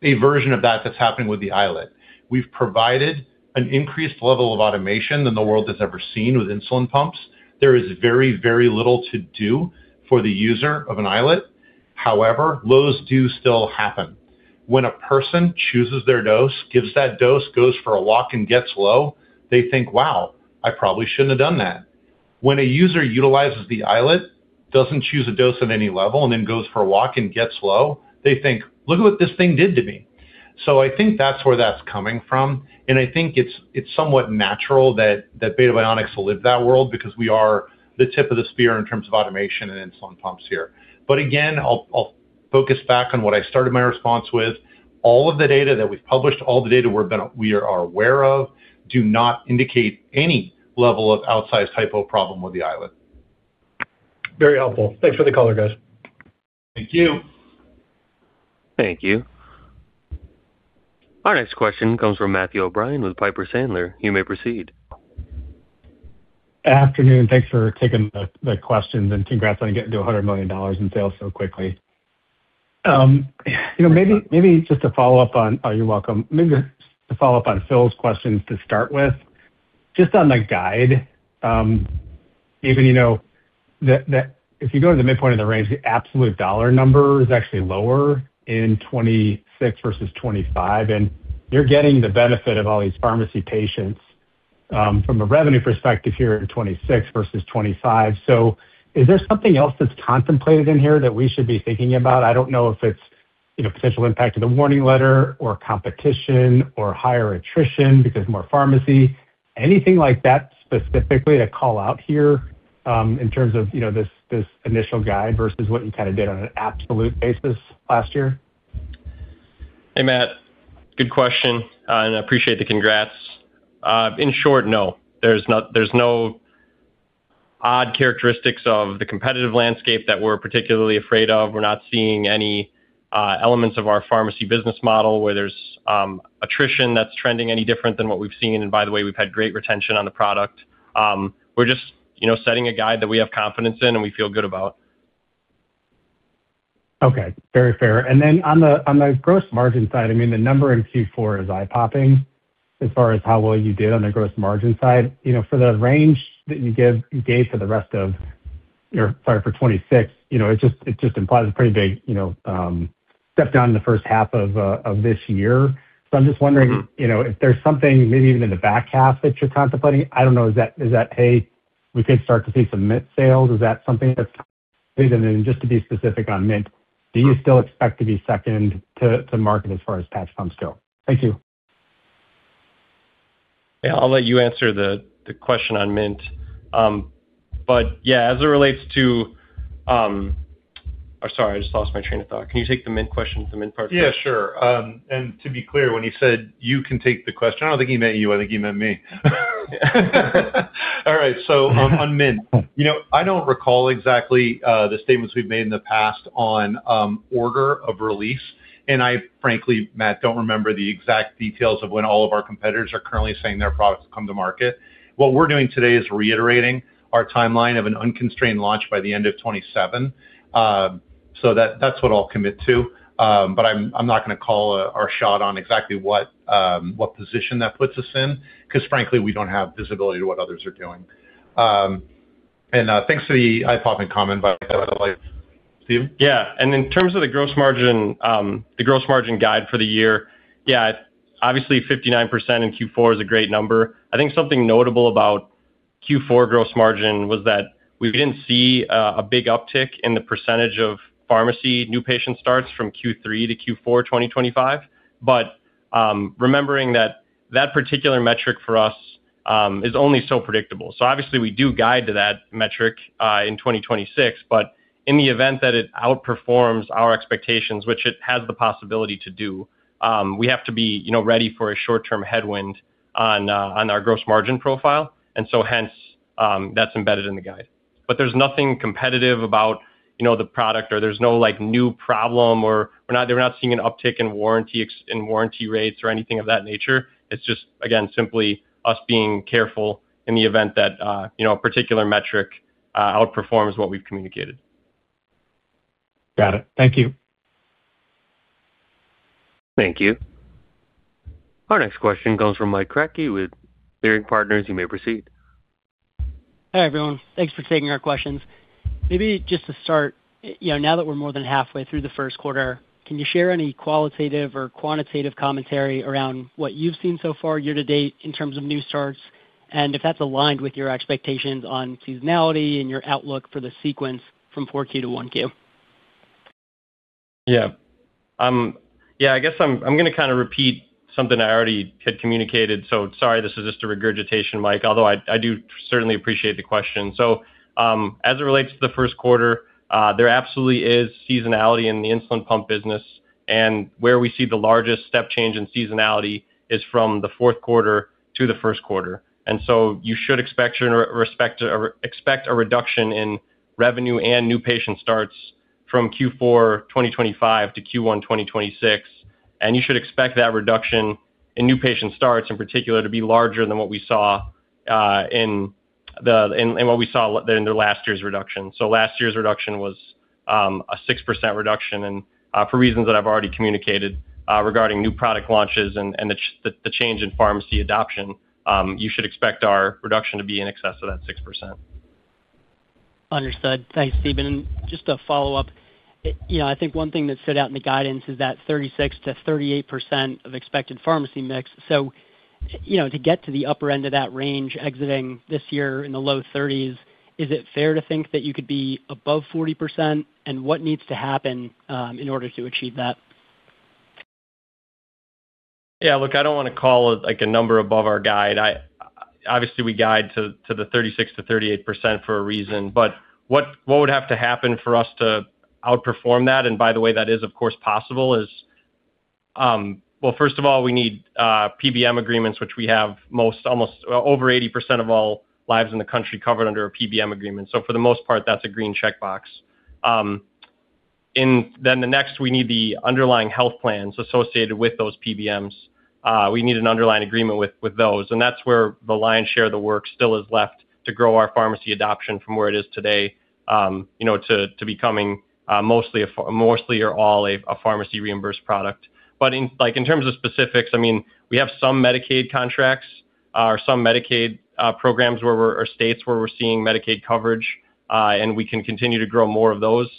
version of that that's happening with the iLet. We've provided an increased level of automation than the world has ever seen with insulin pumps. There is very, very little to do for the user of an iLet. However, lows do still happen. When a person chooses their dose, gives that dose, goes for a walk, and gets low, they think, "Wow, I probably shouldn't have done that." When a user utilizes the iLet, doesn't choose a dose of any level, and then goes for a walk and gets low, they think, "Look at what this thing did to me." So I think that's where that's coming from, and I think it's somewhat natural that Beta Bionics will live that world because we are the tip of the spear in terms of automation and insulin pumps here. But again, I'll focus back on what I started my response with. All of the data that we've published, all the data we are aware of, do not indicate any level of outsized hypo problem with the iLet. Very helpful. Thanks for the color, guys. Thank you. Thank you. Our next question comes from Matthew O'Brien with Piper Sandler. You may proceed. Afternoon. Thanks for taking the questions, and congrats on getting to $100 million in sales so quickly. You know, maybe just to follow up on... Oh, you're welcome. Maybe just to follow up on Phil's questions to start with. Just on the guide, even you know, that if you go to the midpoint of the range, the absolute dollar number is actually lower in 2026 versus 2025, and you're getting the benefit of all these pharmacy patients, from a revenue perspective here in 2026 versus 2025. So is there something else that's contemplated in here that we should be thinking about? I don't know if it's, you know, potential impact of the warning letter, or competition, or higher attrition because more pharmacy, anything like that, specifically to call out here, in terms of, you know, this, this initial guide versus what you kind of did on an absolute basis last year? Hey, Matt. Good question, and I appreciate the congrats. In short, no. There's no odd characteristics of the competitive landscape that we're particularly afraid of. We're not seeing any elements of our pharmacy business model where there's attrition that's trending any different than what we've seen. And by the way, we've had great retention on the product. We're just, you know, setting a guide that we have confidence in and we feel good about. Okay, very fair. And then on the gross margin side, I mean, the number in Q4 is eye-popping as far as how well you did on the gross margin side. You know, for the range that you gave for the rest of... Sorry, for 2026, you know, it just implies a pretty big step down in the first half of this year. So I'm just wondering, you know, if there's something maybe even in the back half that you're contemplating. I don't know. Is that hey, we could start to see some Mint sales? Is that something that's and then just to be specific on Mint, do you still expect to be second to market as far as patch pumps go? Thank you. Yeah, I'll let you answer the question on Mint. But yeah, as it relates to... Oh, sorry, I just lost my train of thought. Can you take the Mint question, the Mint part? Yeah, sure. And to be clear, when he said, "You can take the question," I don't think he meant you. I think he meant me. All right. So, on Mint. You know, I don't recall exactly, the statements we've made in the past on, order of release. And I frankly, Matt, don't remember the exact details of when all of our competitors are currently saying their products come to market. What we're doing today is reiterating our timeline of an unconstrained launch by the end of 2027. So that, that's what I'll commit to. But I'm not going to call, our shot on exactly what, what position that puts us in, because frankly, we don't have visibility to what others are doing. And, thanks for the eye-popping comment, by the way, Steve. Yeah, and in terms of the gross margin, the gross margin guide for the year, yeah, obviously, 59% in Q4 is a great number. I think something notable about Q4 gross margin was that we didn't see a big uptick in the percentage of pharmacy new patient starts from Q3 to Q4, 2025. But, remembering that that particular metric for us is only so predictable. So obviously, we do guide to that metric in 2026, but in the event that it outperforms our expectations, which it has the possibility to do, we have to be, you know, ready for a short-term headwind on our gross margin profile, and so hence, that's embedded in the guide. There's nothing competitive about, you know, the product, or there's no, like, new problem, or we're not seeing an uptick in warranty rates or anything of that nature. It's just, again, simply us being careful in the event that, you know, a particular metric outperforms what we've communicated. Got it. Thank you. Thank you. Our next question comes from Mike Kratochvil with Barrington Partners. You may proceed. Hi, everyone. Thanks for taking our questions. Maybe just to start, you know, now that we're more than halfway through the first quarter, can you share any qualitative or quantitative commentary around what you've seen so far year to date in terms of new starts, and if that's aligned with your expectations on seasonality and your outlook for the sequence from 4Q to 1Q? Yeah. Yeah, I guess I'm gonna kind of repeat something I already had communicated, so sorry, this is just a regurgitation, Mike, although I do certainly appreciate the question. So, as it relates to the first quarter, there absolutely is seasonality in the insulin pump business, and where we see the largest step change in seasonality is from the fourth quarter to the first quarter. And so you should expect a reduction in revenue and new patient starts from Q4 2025 to Q1 2026. And you should expect that reduction in new patient starts, in particular, to be larger than what we saw in the last year's reduction. So last year's reduction was a 6% reduction, and for reasons that I've already communicated regarding new product launches and the change in pharmacy adoption, you should expect our reduction to be in excess of that 6%. Understood. Thanks, Stephen. And just to follow up, you know, I think one thing that stood out in the guidance is that 36%-38% of expected pharmacy mix. So, you know, to get to the upper end of that range exiting this year in the low 30s, is it fair to think that you could be above 40%, and what needs to happen in order to achieve that? Yeah, look, I don't wanna call it like a number above our guide. I obviously, we guide to the 36%-38% for a reason, but what would have to happen for us to outperform that, and by the way, that is, of course, possible. Well, first of all, we need PBM agreements, which we have almost over 80% of all lives in the country covered under a PBM agreement. So for the most part, that's a green checkbox. And then the next, we need the underlying health plans associated with those PBMs. We need an underlying agreement with those, and that's where the lion's share of the work still is left to grow our pharmacy adoption from where it is today, you know, to becoming mostly or all a pharmacy reimbursed product. But in like, in terms of specifics, I mean, we have some Medicaid contracts or some Medicaid programs or states where we're seeing Medicaid coverage, and we can continue to grow more of those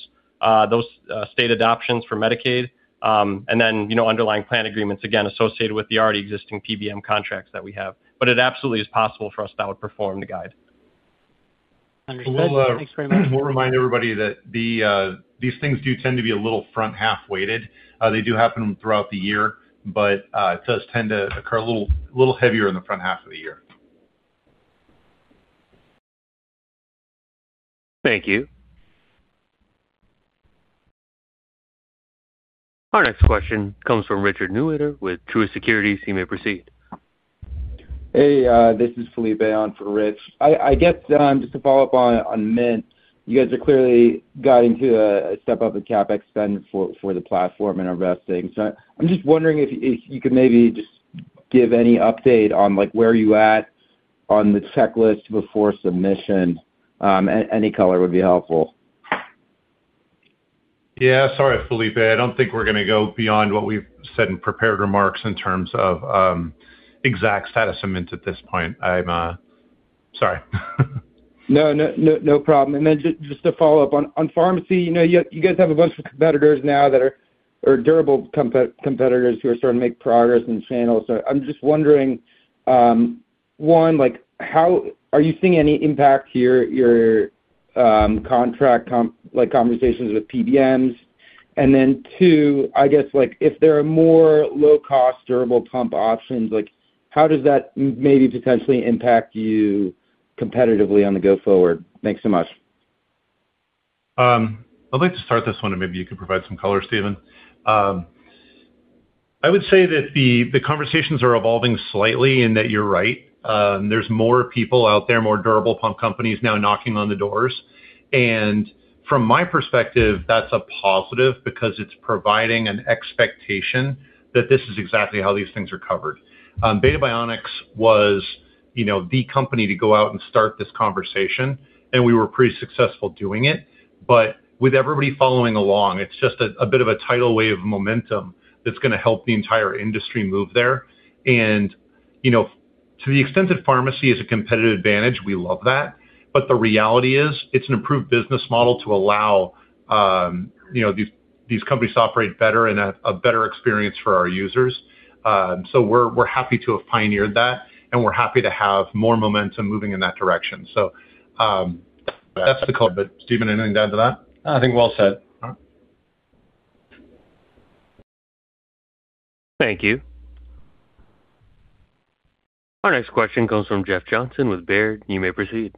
state adoptions for Medicaid. And then, you know, underlying plan agreements, again, associated with the already existing PBM contracts that we have. But it absolutely is possible for us to outperform the guide. Understood. Thanks very much. We'll remind everybody that these things do tend to be a little front-half weighted. They do happen throughout the year, but it does tend to occur a little heavier in the front half of the year. Thank you. Our next question comes from Richard Newitter with Truist Securities. You may proceed. Hey, this is Felipe on for Rich. I guess just to follow up on Mint, you guys are clearly getting to a step up in CapEx spend for the platform and investing. So I'm just wondering if you could maybe just give any update on, like, where are you at on the checklist before submission? Any color would be helpful. Yeah, sorry, Felipe. I don't think we're gonna go beyond what we've said in prepared remarks in terms of exact status of Mint at this point. I'm... Sorry. No, no, no, no problem. And then just to follow up on pharmacy, you know, you guys have a bunch of competitors now that are or durable competitors who are starting to make progress in the channel. So I'm just wondering, one, like, how are you seeing any impact to your contract, like, conversations with PBMs? And then, two, I guess, like, if there are more low-cost durable pump options, like, how does that maybe potentially impact you competitively on the go forward? Thanks so much. I'd like to start this one, and maybe you could provide some color, Stephen. I would say that the conversations are evolving slightly and that you're right. There's more people out there, more durable pump companies now knocking on the doors. And from my perspective, that's a positive because it's providing an expectation that this is exactly how these things are covered. Beta Bionics was, you know, the company to go out and start this conversation, and we were pretty successful doing it. But with everybody following along, it's just a bit of a tidal wave of momentum that's gonna help the entire industry move there. And, you know, to the extent that pharmacy is a competitive advantage, we love that. But the reality is, it's an improved business model to allow you know these companies to operate better and a better experience for our users. So we're happy to have pioneered that, and we're happy to have more momentum moving in that direction. So that's the call. But Stephen, anything to add to that? I think, well said. All right. Thank you. Our next question comes from Jeff Johnson with Baird. You may proceed.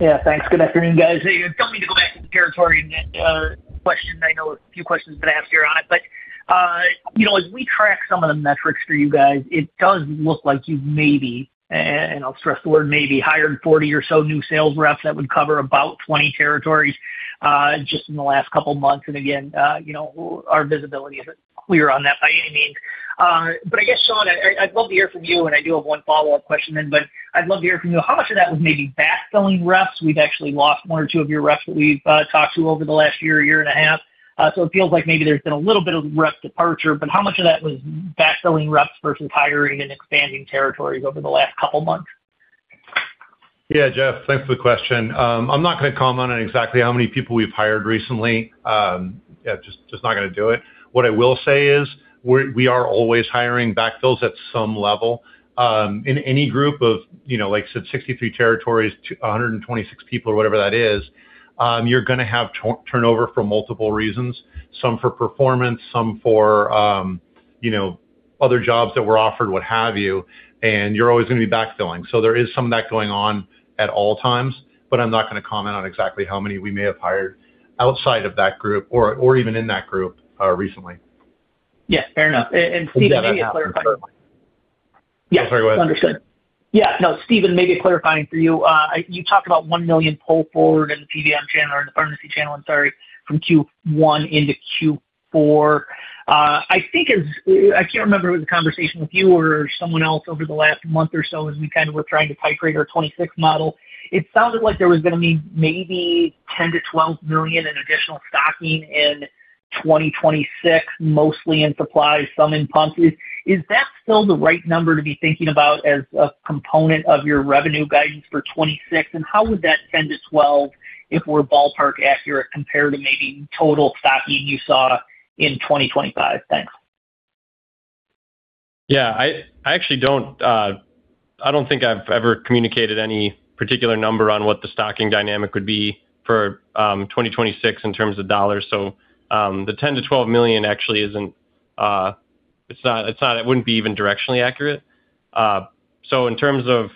Yeah, thanks. Good afternoon, guys. Hey, it's coming to go back to the territory and question. I know a few questions have been asked here on it, but you know, as we track some of the metrics for you guys, it does look like you've maybe, and I'll stress the word maybe, hired 40 or so new sales reps that would cover about 20 territories, just in the last couple of months. And again, you know, our visibility isn't clear on that by any means. But I guess, Sean, I'd love to hear from you, and I do have one follow-up question then, but I'd love to hear from you. How much of that was maybe backfilling reps? We've actually lost one or two of your reps that we've talked to over the last year, year and a half. It feels like maybe there's been a little bit of rep departure, but how much of that was backfilling reps versus hiring and expanding territories over the last couple of months? Yeah, Jeff, thanks for the question. I'm not going to comment on exactly how many people we've hired recently. Yeah, just not going to do it. What I will say is we are always hiring backfills at some level. In any group of, you know, like I said, 63 territories, to 126 people or whatever that is, you're going to have turnover for multiple reasons. Some for performance, some for, you know, other jobs that were offered, what have you, and you're always going to be backfilling. So there is some of that going on at all times, but I'm not going to comment on exactly how many we may have hired outside of that group or even in that group recently. Yeah, fair enough. And Stephen, maybe clarifying- I'm sorry, what? Yes, understood. Yeah. No, Stephen, maybe clarifying for you. You talked about $1 million pull forward in the PBM channel or in the pharmacy channel, I'm sorry, from Q1 into Q4. I think as... I can't remember if it was a conversation with you or someone else over the last month or so, as we kind of were trying to upgrade our 2026 model. It sounded like there was going to be maybe $10 million-$12 million in additional stocking in 2026, mostly in supplies, some in pumps. Is that still the right number to be thinking about as a component of your revenue guidance for 2026? And how would that $10 million-$12 million, if we're ballpark accurate, compare to maybe total stocking you saw in 2025? Thanks. Yeah, I actually don't think I've ever communicated any particular number on what the stocking dynamic would be for 2026 in terms of dollars. So, the $10 million-$12 million actually isn't. It wouldn't be even directionally accurate. So in terms of...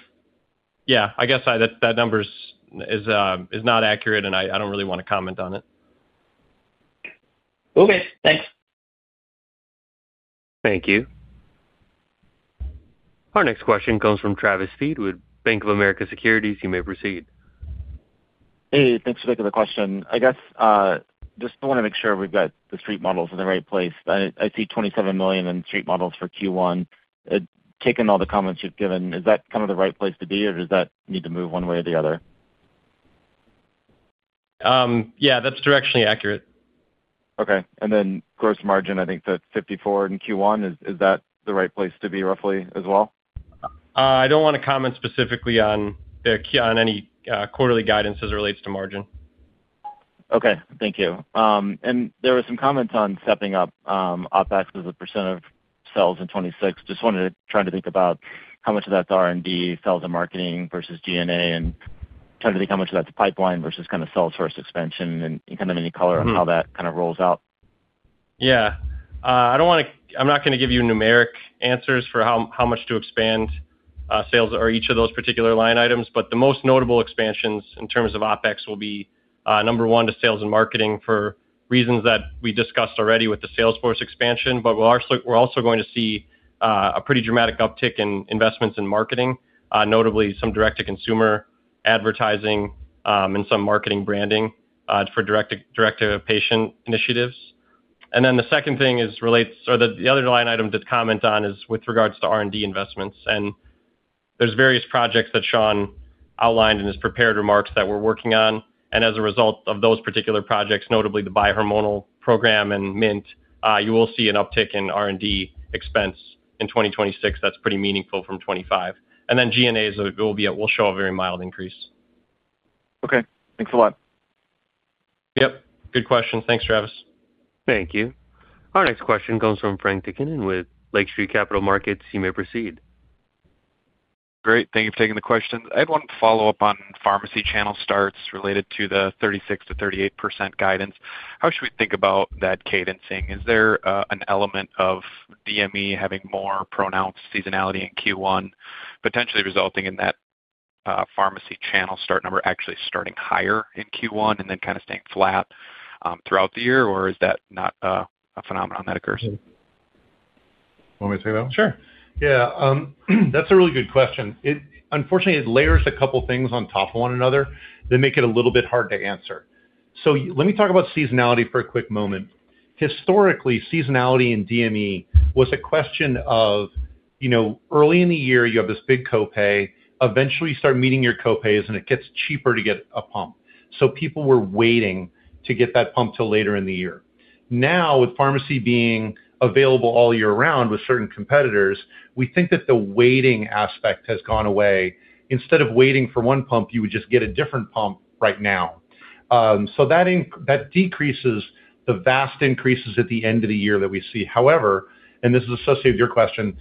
Yeah, I guess that number is not accurate, and I don't really want to comment on it. Okay, thanks. Thank you. Our next question comes from Travis Steed with Bank of America Securities. You may proceed. Hey, thanks for taking the question. I guess just want to make sure we've got the street models in the right place. I see $27 million in street models for Q1. Taking all the comments you've given, is that kind of the right place to be, or does that need to move one way or the other? Yeah, that's directionally accurate. Okay, and then gross margin, I think that's 54 in Q1. Is that the right place to be, roughly, as well? I don't want to comment specifically on any quarterly guidance as it relates to margin. Okay, thank you. There were some comments on stepping up OpEx as a % of sales in 2026. Just wanted to try to think about how much of that's R&D, sales, and marketing versus G&A, and trying to think how much of that's pipeline versus kind of sales force expansion and kind of any color on how that kind of rolls out. Yeah. I don't want to - I'm not going to give you numeric answers for how much to expand sales or each of those particular line items, but the most notable expansions in terms of OpEx will be number one, to sales and marketing for reasons that we discussed already with the salesforce expansion. But we're also going to see a pretty dramatic uptick in investments in marketing, notably some direct-to-consumer advertising, and some marketing branding for direct-to-patient initiatives. And then the second thing is or the other line item to comment on is with regards to R&D investments. And there's various projects that Sean outlined in his prepared remarks that we're working on. As a result of those particular projects, notably the bi-hormonal program and Mint, you will see an uptick in R&D expense in 2026. That's pretty meaningful from 2025. Then G&As will show a very mild increase. Okay, thanks a lot. Yep, good question. Thanks, Travis. Thank you. Our next question comes from Frank Takkinen with Lake Street Capital Markets. You may proceed. Great, thank you for taking the question. I have one follow-up on pharmacy channel starts related to the 36%-38% guidance. How should we think about that cadencing? Is there an element of DME having more pronounced seasonality in Q1, potentially resulting in that pharmacy channel start number actually starting higher in Q1 and then kind of staying flat throughout the year? Or is that not a phenomenon that occurs? You want me to take that? Sure. Yeah, that's a really good question. It, unfortunately, layers a couple of things on top of one another that make it a little bit hard to answer. So let me talk about seasonality for a quick moment. Historically, seasonality in DME was a question of- You know, early in the year, you have this big copay. Eventually, you start meeting your copays, and it gets cheaper to get a pump. So people were waiting to get that pump till later in the year. Now, with pharmacy being available all year round with certain competitors, we think that the waiting aspect has gone away. Instead of waiting for one pump, you would just get a different pump right now. So that decreases the vast increases at the end of the year that we see. However, and this is associated with your question,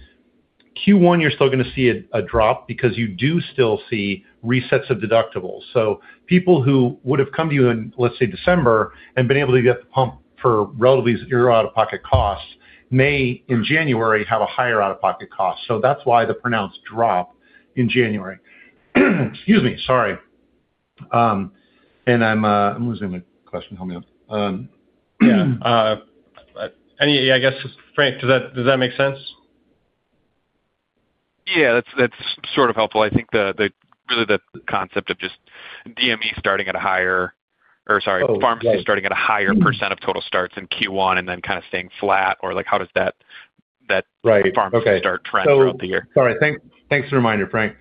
Q1, you're still going to see a drop because you do still see resets of deductibles. So people who would have come to you in, let's say, December, and been able to get the pump for relatively zero out-of-pocket costs, may, in January, have a higher out-of-pocket cost. So that's why the pronounced drop in January. Excuse me, sorry. And I'm losing my question. Help me out. Yeah, any... I guess, Frank, does that make sense? Yeah, that's sort of helpful. I think really the concept of just DME starting at a higher, or sorry, pharmacy- Oh, right. - starting at a higher percent of total starts in Q1 and then kind of staying flat, or like, how does that, that- Right. - Pharmacy start trend throughout the year? Sorry, thanks. Thanks for the reminder, Frank.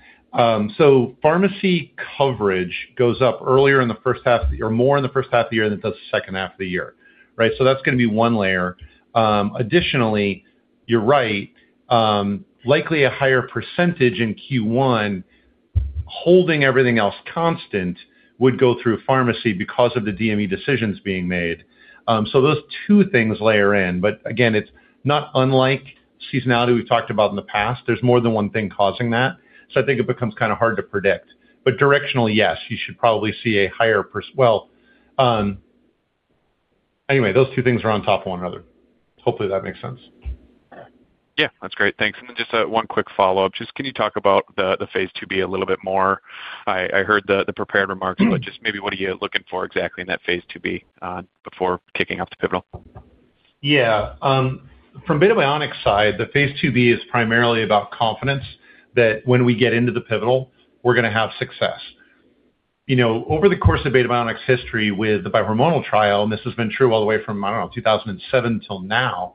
So pharmacy coverage goes up earlier in the first half, or more in the first half of the year than it does the second half of the year, right? So that's going to be one layer. Additionally, you're right, likely a higher percentage in Q1, holding everything else constant, would go through pharmacy because of the DME decisions being made. So those two things layer in, but again, it's not unlike seasonality we've talked about in the past. There's more than one thing causing that, so I think it becomes kind of hard to predict. But directionally, yes, you should probably see a higher—Well, anyway, those two things are on top of one another. Hopefully, that makes sense. Yeah, that's great. Thanks. And then just, one quick follow-up. Just, can you talk about the phase IIB a little bit more? I heard the prepared remarks, but just maybe what are you looking for exactly in that phase IIB before kicking off the pivotal? Yeah. From Beta Bionics' side, the phase IIB is primarily about confidence, that when we get into the pivotal, we're going to have success. You know, over the course of Beta Bionics' history with the bihormonal trial, and this has been true all the way from, I don't know, 2007 till now,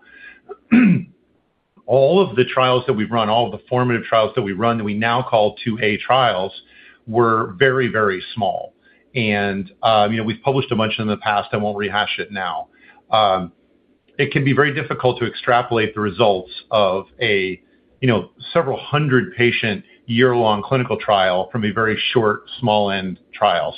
all of the trials that we've run, all of the formative trials that we've run, that we now call IIA trials, were very, very small. And, you know, we've published a bunch in the past. I won't rehash it now. It can be very difficult to extrapolate the results of a, you know, several hundred patient, year-long clinical trial from a very short, small-end trial.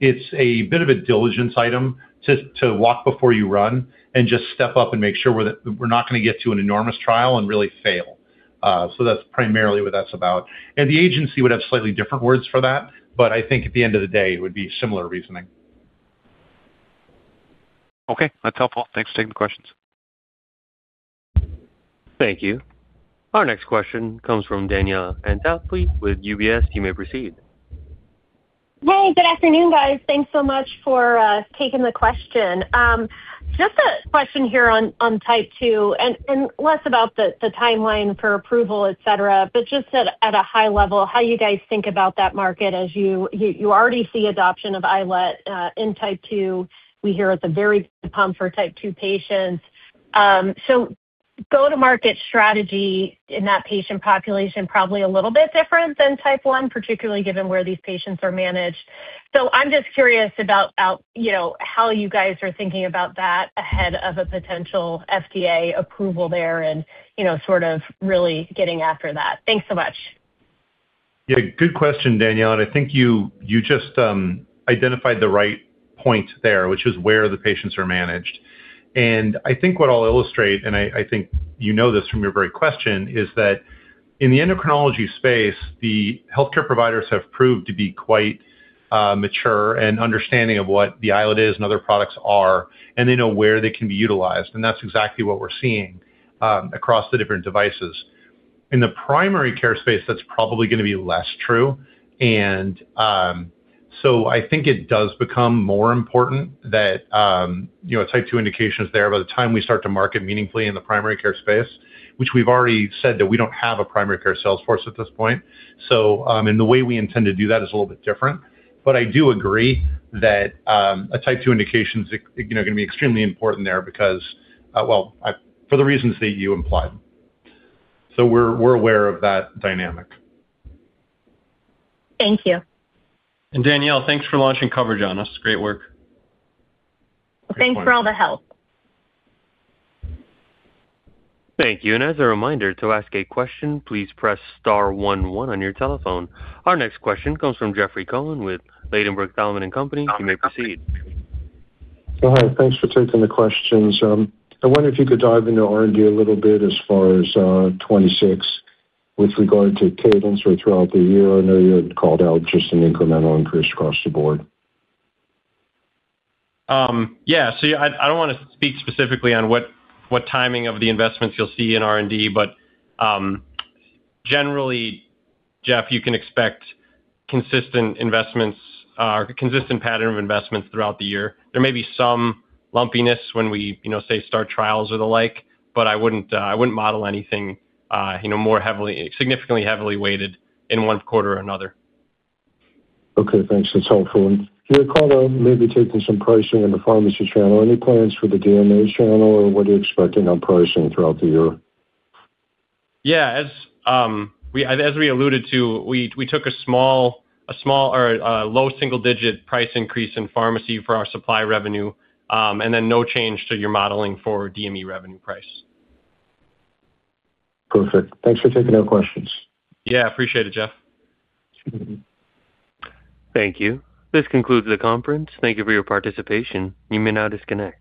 It's a bit of a diligence item to walk before you run and just step up and make sure we're not going to get to an enormous trial and really fail. So that's primarily what that's about. The agency would have slightly different words for that, but I think at the end of the day, it would be similar reasoning. Okay, that's helpful. Thanks for taking the questions. Thank you. Our next question comes from Danielle Antalfy with UBS. You may proceed. Hey, good afternoon, guys. Thanks so much for taking the question. Just a question here Type 2 and less about the timeline for approval, et cetera, but just at a high level, how you guys think about that market as you already see adoption of iLet Type 2. we hear it's a very pump Type 2 patients. So go-to-market strategy in that patient population, probably a little bit different than type one, particularly given where these patients are managed. So I'm just curious about, you know, how you guys are thinking about that ahead of a potential FDA approval there and, you know, sort of really getting after that. Thanks so much. Yeah, good question, Danielle, and I think you just identified the right point there, which is where the patients are managed. And I think what I'll illustrate, and I think you know this from your very question, is that in the endocrinology space, the healthcare providers have proved to be quite mature and understanding of what the iLet is and other products are, and they know where they can be utilized, and that's exactly what we're seeing across the different devices. In the primary care space, that's probably going to be less true, and so I think it does become more important that you Type 2 indications there by the time we start to market meaningfully in the primary care space, which we've already said that we don't have a primary care sales force at this point. So, and the way we intend to do that is a little bit different. But I do agree that Type 2 indication is, you know, going to be extremely important there because, well, for the reasons that you implied. So we're aware of that dynamic. Thank you. Danielle, thanks for launching coverage on us. Great work. Thanks for all the help. Thank you. As a reminder, to ask a question, please press star one one on your telephone. Our next question comes from Jeffrey Cohen with Ladenburg Thalmann and Company. You may proceed. Hi. Thanks for taking the questions. I wonder if you could dive into R&D a little bit as far as 2026 with regard to cadence or throughout the year. I know you had called out just an incremental increase across the board. Yeah. So I don't want to speak specifically on what timing of the investments you'll see in R&D, but generally, Jeff, you can expect consistent investments, consistent pattern of investments throughout the year. There may be some lumpiness when we, you know, say, start trials or the like, but I wouldn't model anything, you know, more heavily, significantly heavily weighted in one quarter or another. Okay, thanks. That's helpful. You had called out maybe taking some pricing in the pharmacy channel. Any plans for the DME channel, or what are you expecting on pricing throughout the year? Yeah, as we alluded to, we took a small or a low single-digit price increase in pharmacy for our supply revenue, and then no change to your modeling for DME revenue price. Perfect. Thanks for taking our questions. Yeah, appreciate it, Jeff. Thank you. This concludes the conference. Thank you for your participation. You may now disconnect.